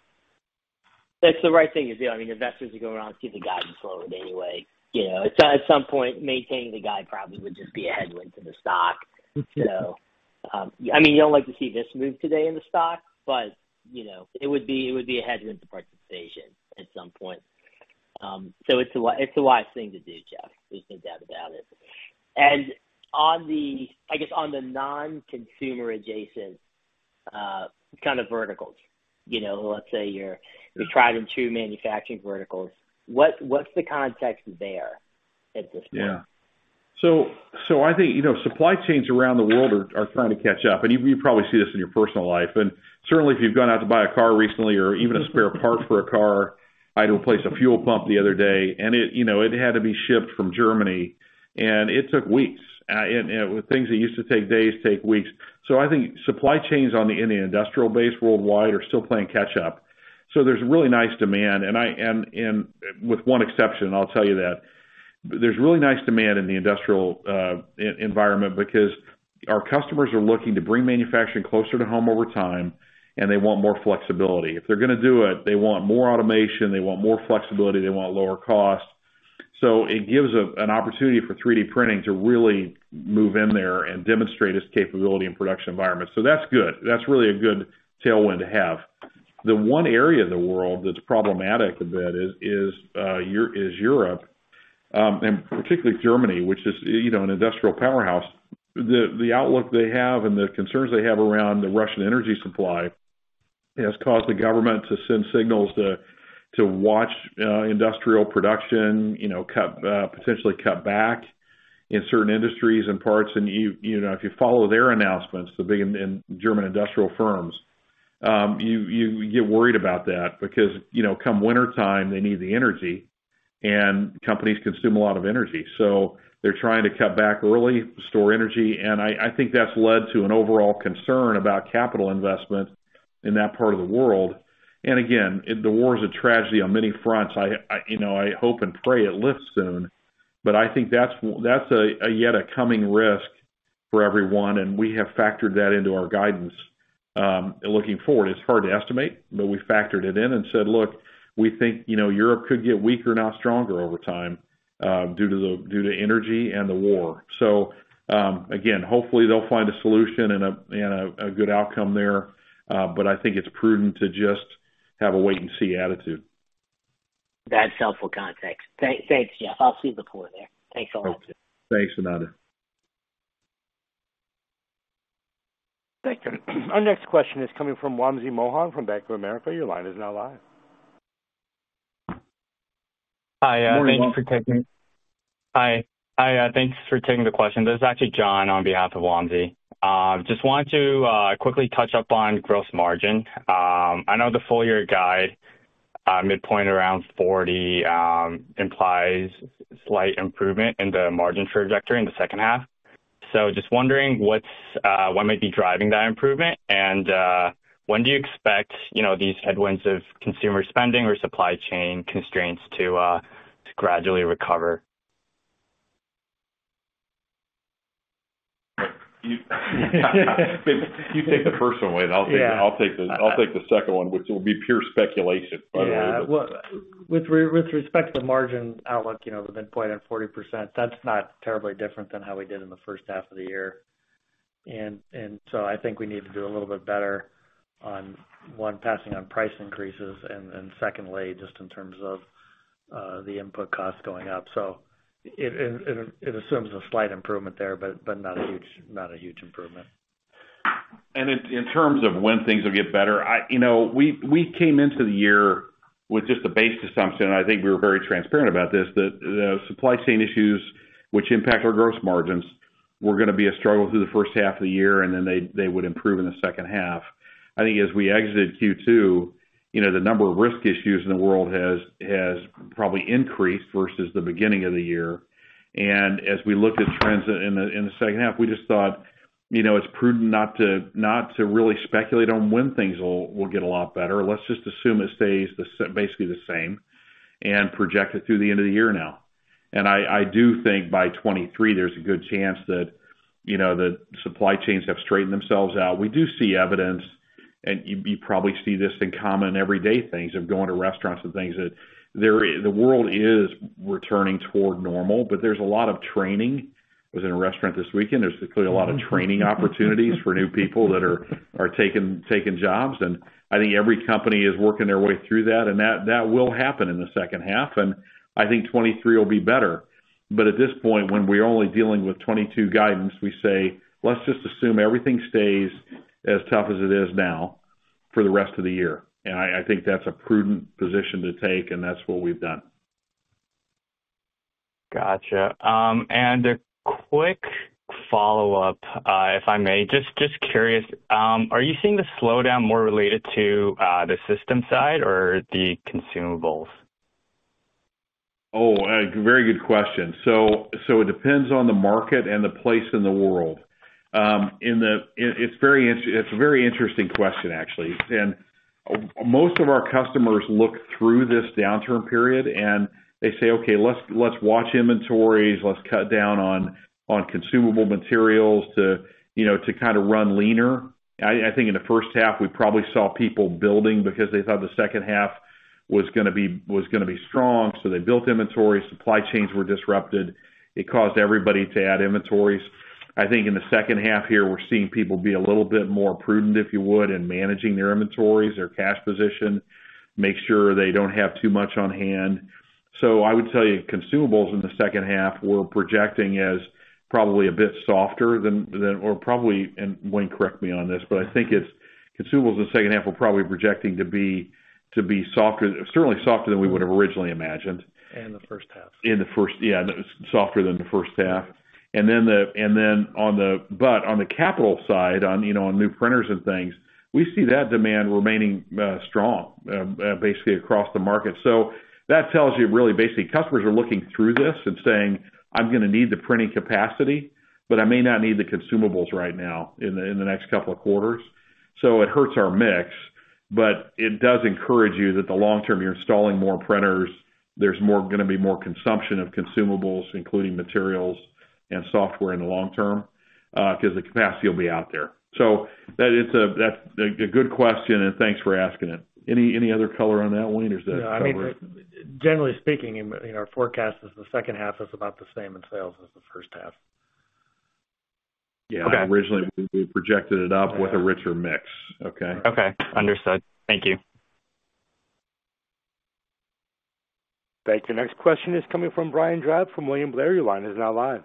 That's the right thing to do. I mean, investors are going around seeing the guidance lowered anyway. You know, at some point, maintaining the guide probably would just be a headwind to the stock. So, I mean, you don't like to see this move today in the stock, but, you know, it would be a headwind to participation at some point. So it's a wise thing to do, Jeff, there's no doubt about it. On the, I guess, on the non-consumer adjacent, kind of verticals, you know, let's say you're trying two manufacturing verticals, what's the context there at this point? Yeah. I think, you know, supply chains around the world are trying to catch up, and you probably see this in your personal life. Certainly, if you've gone out to buy a car recently or even a spare part for a car, I had to replace a fuel pump the other day, and it, you know, had to be shipped from Germany, and it took weeks. With things that used to take days, take weeks. I think supply chains on the industrial base worldwide are still playing catch up. There's really nice demand. With one exception, I'll tell you that. There's really nice demand in the industrial environment because our customers are looking to bring manufacturing closer to home over time, and they want more flexibility. If they're gonna do it, they want more automation, they want more flexibility, they want lower costs. It gives an opportunity for 3D printing to really move in there and demonstrate its capability in production environments. That's good. That's really a good tailwind to have. The one area of the world that's problematic is Europe, and particularly Germany, which is, you know, an industrial powerhouse. The outlook they have and the concerns they have around the Russian energy supply has caused the government to send signals to watch industrial production, you know, cut, potentially cut back in certain industries and parts. You know, if you follow their announcements, in German industrial firms, you get worried about that because, you know, come wintertime, they need the energy, and companies consume a lot of energy. They're trying to cut back early to store energy, and I think that's led to an overall concern about capital investment in that part of the world. Again, the war is a tragedy on many fronts. I, you know, hope and pray it lifts soon. I think that's yet a coming risk for everyone, and we have factored that into our guidance, looking forward. It's hard to estimate, but we factored it in and said, "Look, we think, you know, Europe could get weaker, not stronger over time, due to energy and the war." Again, hopefully they'll find a solution and a good outcome there. I think it's prudent to just have a wait and see attitude. That's helpful context. Thanks, Jeff. I'll leave it there. Thanks a lot. Thanks, Ananda. Thank you. Our next question is coming from Wamsi Mohan from Bank of America. Your line is now live. Hi. Morning. Hi. Thanks for taking the question. This is actually John on behalf of Wamsi. Just wanted to quickly touch on gross margin. I know the full year guide midpoint around 40% implies slight improvement in the margin trajectory in the second half. Just wondering what might be driving that improvement. When do you expect, you know, these headwinds of consumer spending or supply chain constraints to gradually recover? You take the first one, Wayne Pensky. Yeah. I'll take the second one, which will be pure speculation, by the way. Yeah. Well, with respect to the margin outlook, you know, the midpoint at 40%, that's not terribly different than how we did in the first half of the year. I think we need to do a little bit better on, one, passing on price increases and, secondly, just in terms of the input costs going up. It assumes a slight improvement there, but not a huge improvement. In terms of when things will get better, you know, we came into the year with just a base assumption. I think we were very transparent about this, that the supply chain issues which impact our gross margins were gonna be a struggle through the first half of the year, and then they would improve in the second half. I think as we exited Q2, you know, the number of risk issues in the world has probably increased versus the beginning of the year. As we look at trends in the second half, we just thought, you know, it's prudent not to really speculate on when things will get a lot better. Let's just assume it stays basically the same and project it through the end of the year now. I do think by 2023, there's a good chance that, you know, the supply chains have straightened themselves out. We do see evidence, and you probably see this in common everyday things, of going to restaurants and things, that the world is returning toward normal. There's a lot of training. I was in a restaurant this weekend. There's clearly a lot of training opportunities for new people that are taking jobs. I think every company is working their way through that, and that will happen in the second half. I think 2023 will be better. At this point, when we're only dealing with 2022 guidance, we say, "Let's just assume everything stays as tough as it is now for the rest of the year." I think that's a prudent position to take, and that's what we've done. Gotcha. A quick follow-up, if I may. Just curious, are you seeing the slowdown more related to the system side or the consumables? Oh, a very good question. So, it depends on the market and the place in the world. It's a very interesting question, actually. Most of our customers look through this downturn period and they say, "Okay, let's watch inventories. Let's cut down on consumable materials to, you know, to kind of run leaner." I think in the first half, we probably saw people building because they thought the second half was gonna be strong, so they built inventory. Supply chains were disrupted. It caused everybody to add inventories. I think in the second half here, we're seeing people be a little bit more prudent, if you would, in managing their inventories, their cash position, make sure they don't have too much on hand. I would tell you, consumables in the second half, we're projecting as probably a bit softer than or probably, and Wayne, correct me on this, but I think it's consumables in the second half, we're probably projecting to be softer. Certainly, softer than we would have originally imagined. The first half. Yeah, softer than the first half. But on the capital side, you know, on new printers and things, we see that demand remaining strong basically across the market. That tells you really basically, customers are looking through this and saying, "I'm gonna need the printing capacity, but I may not need the consumables right now in the next couple of quarters." It hurts our mix, but it does encourage you that the long term, you're installing more printers, there's gonna be more consumption of consumables, including materials and software in the long term, cause the capacity will be out there. That is a good question, and thanks for asking it. Any other color on that, Wayne? Or is that covered? No, I mean, generally speaking, in our forecast the second half is about the same in sales as the first half. Yeah. Okay. Originally, we projected it up with a richer mix. Okay? Okay. Understood. Thank you. Thank you. The next question is coming from Brian Drab from William Blair. Your line is now live.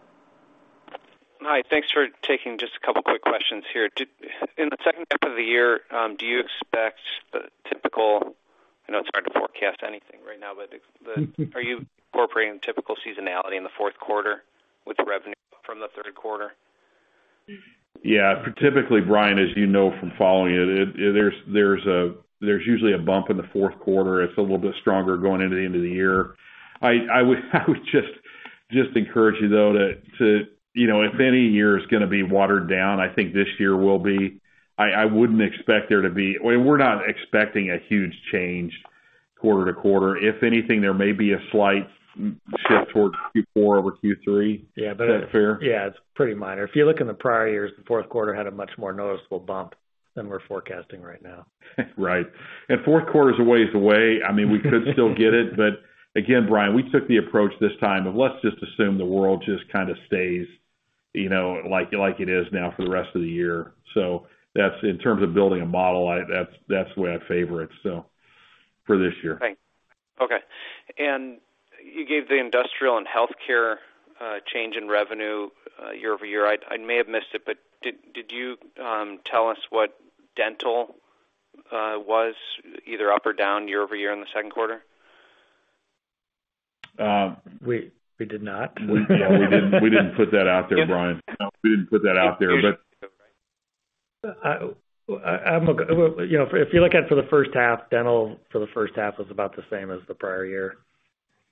Hi. Thanks for taking just a couple quick questions here. In the second half of the year, do you expect the typical. I know it's hard to forecast anything right now, but the Mm-hmm. Are you incorporating typical seasonality in the fourth quarter with revenue from the third quarter? Yeah. Typically, Brian, as you know from following it, there's usually a bump in the fourth quarter. It's a little bit stronger going into the end of the year. I would just encourage you though to you know, if any year is gonna be watered down, I think this year will be. I wouldn't expect there to be. We're not expecting a huge change quarter-to-quarter. If anything, there may be a slight shift towards Q4 over Q3. Yeah, but. Is that fair? Yeah, it's pretty minor. If you look in the prior years, the fourth quarter had a much more noticeable bump than we're forecasting right now. Right. Fourth quarter is a ways away. I mean, we could still get it, but again, Brian, we took the approach this time of, let's just assume the world just kinda stays, you know, like it is now for the rest of the year. So that's in terms of building a model, that's the way I favor it, so, for this year. Thanks. Okay. You gave the industrial and healthcare change in revenue year-over-year. I may have missed it, but did you tell us what dental was either up or down year-over-year in the second quarter? Um. We did not. We didn't put that out there, Brian. No, we didn't put that out there, but. You know, if you look at the first half, dental for the first half was about the same as the prior year.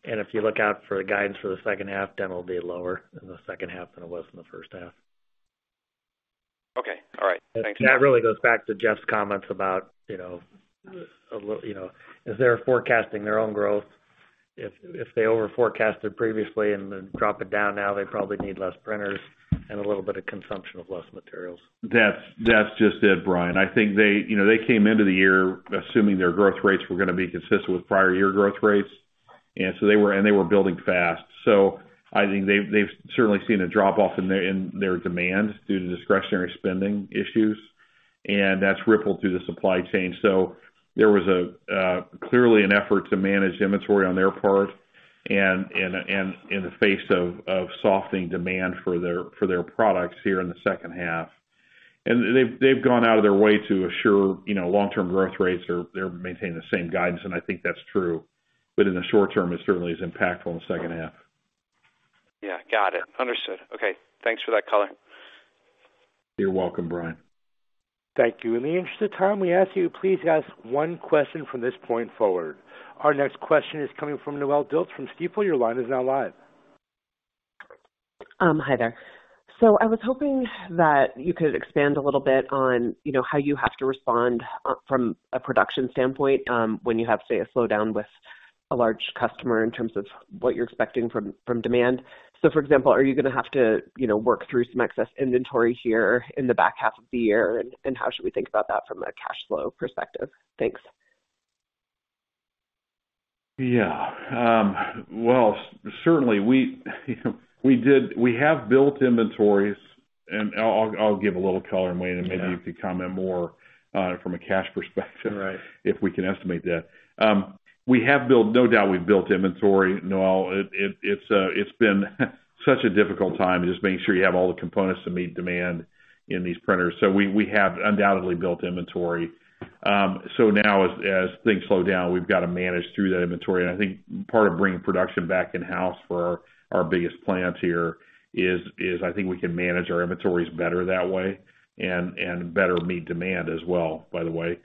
If you look to the guidance for the second half, dental will be lower in the second half than it was in the first half. Okay. All right. Thank you. That really goes back to Jeff's comments about, you know, a little, you know, as they're forecasting their own growth, if they over forecasted previously and then drop it down now, they probably need less printers and a little bit of consumption of less materials. That's just it, Brian. I think they, you know, they came into the year assuming their growth rates were gonna be consistent with prior year growth rates. They were building fast. I think they've certainly seen a drop off in their demand due to discretionary spending issues, and that's rippled through the supply chain. There was clearly an effort to manage inventory on their part and in the face of softening demand for their products here in the second half. They've gone out of their way to assure, you know, long-term growth rates are. They're maintaining the same guidance, and I think that's true. In the short term, it certainly is impactful in the second half. Yeah. Got it. Understood. Okay. Thanks for that color. You're welcome, Brian. Thank you. In the interest of time, we ask you to please ask one question from this point forward. Our next question is coming from Noelle Dilts from Stifel. Your line is now live. Hi there. I was hoping that you could expand a little bit on, you know, how you have to respond from a production standpoint, when you have, say, a slowdown with a large customer in terms of what you're expecting from demand. For example, are you gonna have to, you know, work through some excess inventory here in the back half of the year? And how should we think about that from a cash flow perspective? Thanks. Yeah. Well, certainly, we, you know, we have built inventories, and I'll give a little color, and Wayne and maybe you could comment more, from a cash perspective. Right. If we can estimate that. No doubt, we've built inventory, Noelle. It's been such a difficult time just making sure you have all the components to meet demand in these printers. We have undoubtedly built inventory. Now as things slow down, we've got to manage through that inventory. I think part of bringing production back in-house for our biggest plants here is I think we can manage our inventories better that way and better meet demand as well, by the way.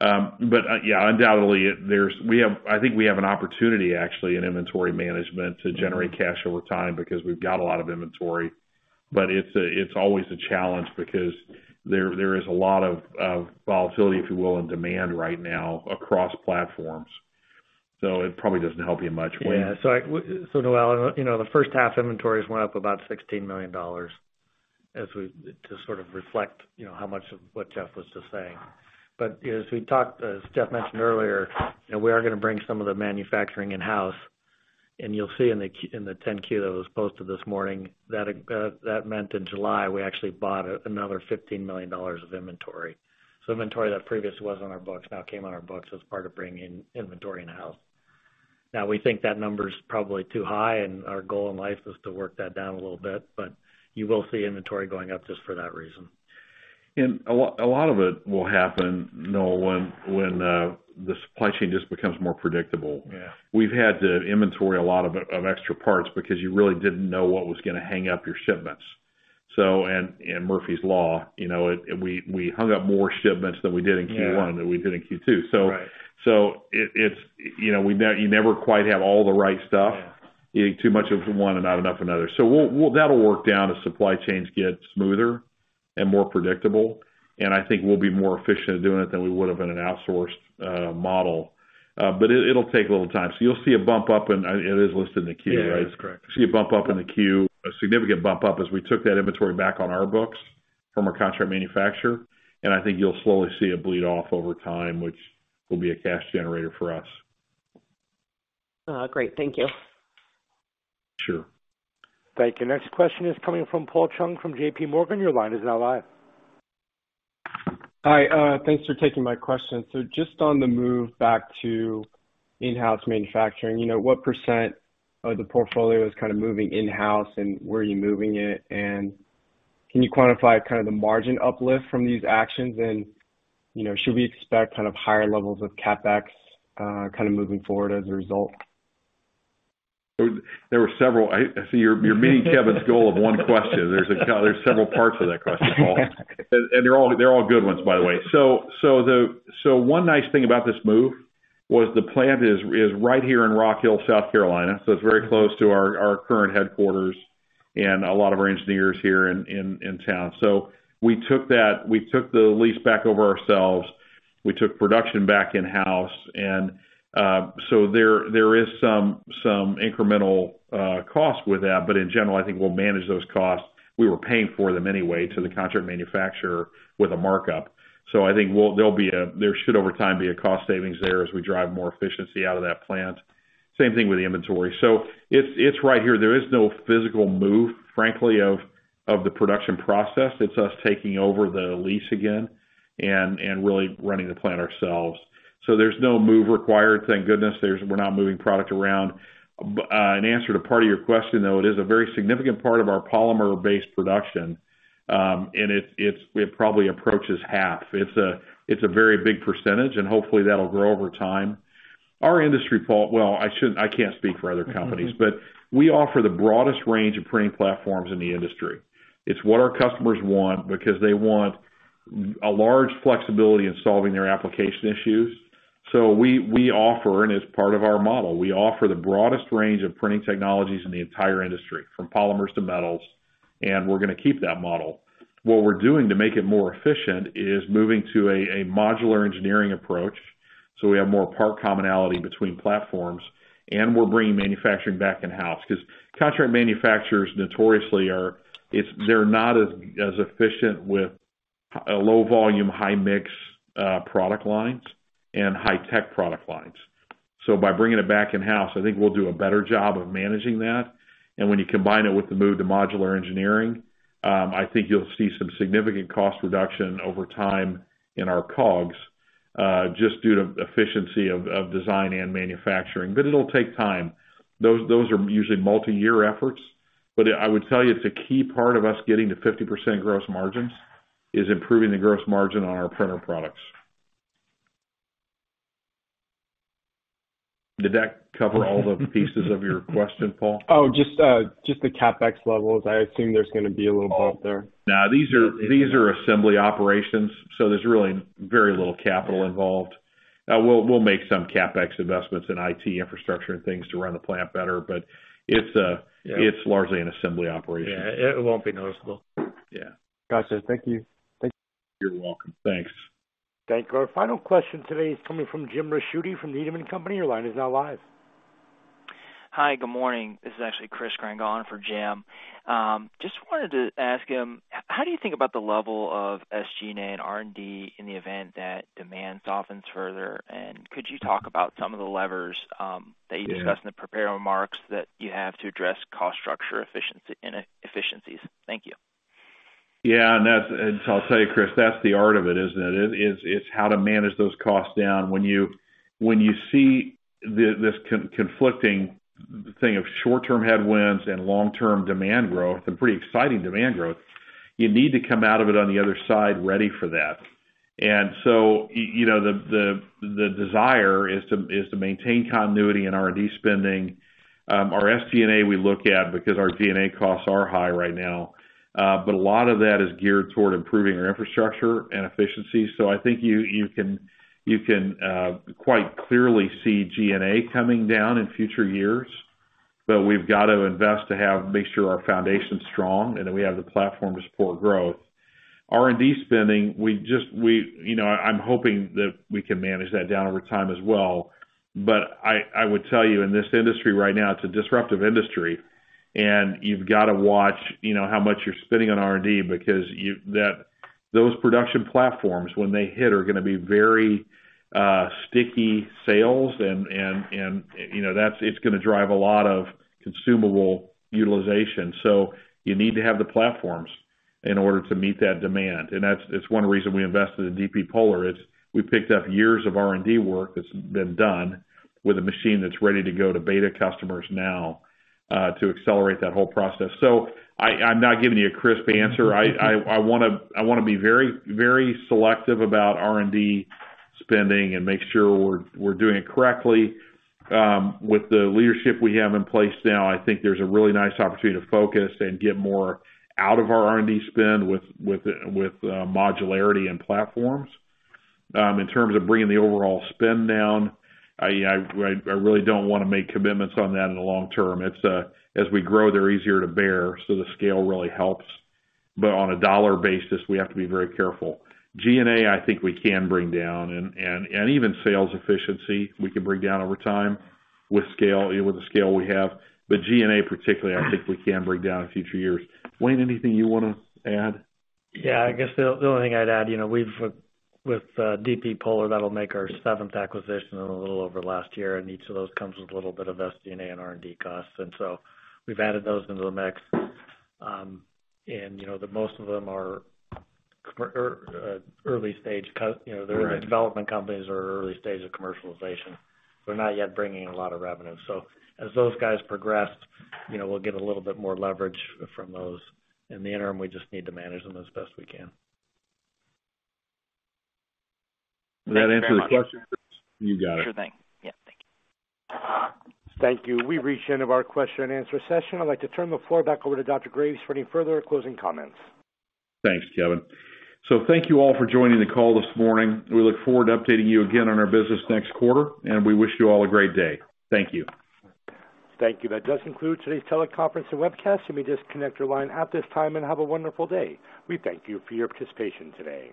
Yeah, undoubtedly, we have an opportunity actually in inventory management to generate cash over time because we've got a lot of inventory. It's always a challenge because there is a lot of volatility, if you will, in demand right now across platforms. It probably doesn't help you much. Wayne? Yeah. Noelle, you know, the first half inventories went up about $16 million to sort of reflect, you know, how much of what Jeff was just saying. As we talked, as Jeff mentioned earlier, you know, we are gonna bring some of the manufacturing in-house. You'll see in the 10-Q that was posted this morning that in July, we actually bought another $15 million of inventory. Inventory that previously was on our books now came on our books as part of bringing inventory in-house. Now we think that number is probably too high, and our goal in life is to work that down a little bit, but you will see inventory going up just for that reason. A lot of it will happen, Noelle, when the supply chain just becomes more predictable. Yeah. We've had to inventory a lot of extra parts because you really didn't know what was gonna hang up your shipments. Murphy's Law, you know, we hung up more shipments than we did in Q1. Yeah. than we did in Q2. Right. It's, you know, you never quite have all the right stuff. Yeah. You need too much of one and not enough another. We'll, that'll work down as supply chains get smoother and more predictable, and I think we'll be more efficient at doing it than we would've been in an outsourced model. But it'll take a little time. You'll see a bump up and it is listed in the Q, right? Yeah, that's correct. See a bump up in the queue, a significant bump up as we took that inventory back on our books from our contract manufacturer, and I think you'll slowly see it bleed off over time, which will be a cash generator for us. Great. Thank you. Sure. Thank you. Next question is coming from Paul Chung from JP Morgan. Your line is now live. Hi, thanks for taking my question. Just on the move back to in-house manufacturing, you know, what percent of the portfolio is kind of moving in-house, and where are you moving it? You know, should we expect kind of higher levels of CapEx moving forward as a result? There were several. I see you're meeting Kevin's goal of one question. There's several parts of that question, Paul. They're all good ones, by the way. One nice thing about this move was the plant is right here in Rock Hill, South Carolina, so it's very close to our current headquarters and a lot of our engineers here in town. We took that. We took the lease back over ourselves. We took production back in-house. There is some incremental cost with that, but in general, I think we'll manage those costs. We were paying for them anyway to the contract manufacturer with a markup. I think there should, over time, be a cost savings there as we drive more efficiency out of that plant. Same thing with the inventory. It's right here. There is no physical move, frankly, of the production process. It's us taking over the lease again and really running the plant ourselves. There's no move required, thank goodness. We're not moving product around. In answer to part of your question, though, it is a very significant part of our polymer-based production, and it probably approaches half. It's a very big percentage, and hopefully, that'll grow over time. Our industry, Paul. I can't speak for other companies. Mm-hmm. We offer the broadest range of printing platforms in the industry. It's what our customers want because they want a large flexibility in solving their application issues. We offer, and it's part of our model. We offer the broadest range of printing technologies in the entire industry, from polymers to metals, and we're gonna keep that model. What we're doing to make it more efficient is moving to a modular engineering approach, so we have more part commonality between platforms, and we're bringing manufacturing back in-house. 'Cause contract manufacturers notoriously are not as efficient with low volume, high mix product lines and high-tech product lines. By bringing it back in-house, I think we'll do a better job of managing that. When you combine it with the move to modular engineering, I think you'll see some significant cost reduction over time in our COGS, just due to efficiency of design and manufacturing. It'll take time. Those are usually multi-year efforts. I would tell you it's a key part of us getting to 50% gross margins, is improving the gross margin on our printer products. Did that cover all the pieces of your question, Paul? Oh, just the CapEx levels. I assume there's gonna be a little bump there. No, these are assembly operations, so there's really very little capital involved. We'll make some CapEx investments in IT infrastructure and things to run the plant better, but it's. Yeah. It's largely an assembly operation. Yeah, it won't be noticeable. Yeah. Gotcha. Thank you. Thank you. You're welcome. Thanks. Thank you. Our final question today is coming from Jim Ricchiuti from Needham & Company. Your line is now live. Hi, good morning. This is actually Chris Grenga for Jim Ricchiuti. Just wanted to ask, how do you think about the level of SG&A and R&D in the event that demand softens further? Could you talk about some of the levers? Yeah. That you discussed in the prepared remarks that you have to address cost structure inefficiencies? Thank you. Yeah. I'll tell you, Chris, that's the art of it, isn't it? It's how to manage those costs down. When you see this conflicting thing of short-term headwinds and long-term demand growth, and pretty exciting demand growth, you need to come out of it on the other side ready for that. You know, the desire is to maintain continuity in R&D spending. Our SG&A we look at because our G&A costs are high right now, but a lot of that is geared toward improving our infrastructure and efficiency. I think you can quite clearly see G&A coming down in future years, but we've got to invest to make sure our foundation's strong and that we have the platform to support growth. R&D spending, we just... You know, I'm hoping that we can manage that down over time as well. I would tell you, in this industry right now, it's a disruptive industry. You've gotta watch, you know, how much you're spending on R&D because those production platforms when they hit are gonna be very sticky sales and, you know, that's going to drive a lot of consumable utilization. You need to have the platforms in order to meet that demand. That's one reason we invested in dp polar. We picked up years of R&D work that's been done with a machine that's ready to go to beta customers now, to accelerate that whole process. I'm not giving you a crisp answer. I wanna be very selective about R&D spending and make sure we're doing it correctly. With the leadership we have in place now, I think there's a really nice opportunity to focus and get more out of our R&D spend with modularity and platforms. In terms of bringing the overall spend down, I really don't wanna make commitments on that in the long term. It's as we grow, they're easier to bear, so the scale really helps. But on a dollar basis, we have to be very careful. G&A, I think we can bring down and even sales efficiency we can bring down over time with scale, with the scale we have. But G&A particularly, I think we can bring down in future years. Wayne, anything you wanna add? Yeah. I guess the only thing I'd add, you know, with dp polar, that'll make our seventh acquisition in a little over last year, and each of those comes with a little bit of SG&A and R&D costs. We've added those into the mix. You know, the most of them are early-stage [cut]. Right. You know, they're in development companies or early stage of commercialization. They're not yet bringing a lot of revenue. As those guys progress, you know, we'll get a little bit more leverage from those. In the interim, we just need to manage them as best we can. Did that answer the question? Thank you very much. You got it. Sure thing. Yeah. Thank you. Thank you. We've reached the end of our question and answer session. I'd like to turn the floor back over to Dr. Graves for any further closing comments. Thanks, Kevin. Thank you all for joining the call this morning. We look forward to updating you again on our business next quarter, and we wish you all a great day. Thank you. Thank you. That does conclude today's teleconference and webcast. You may disconnect your line at this time and have a wonderful day. We thank you for your participation today.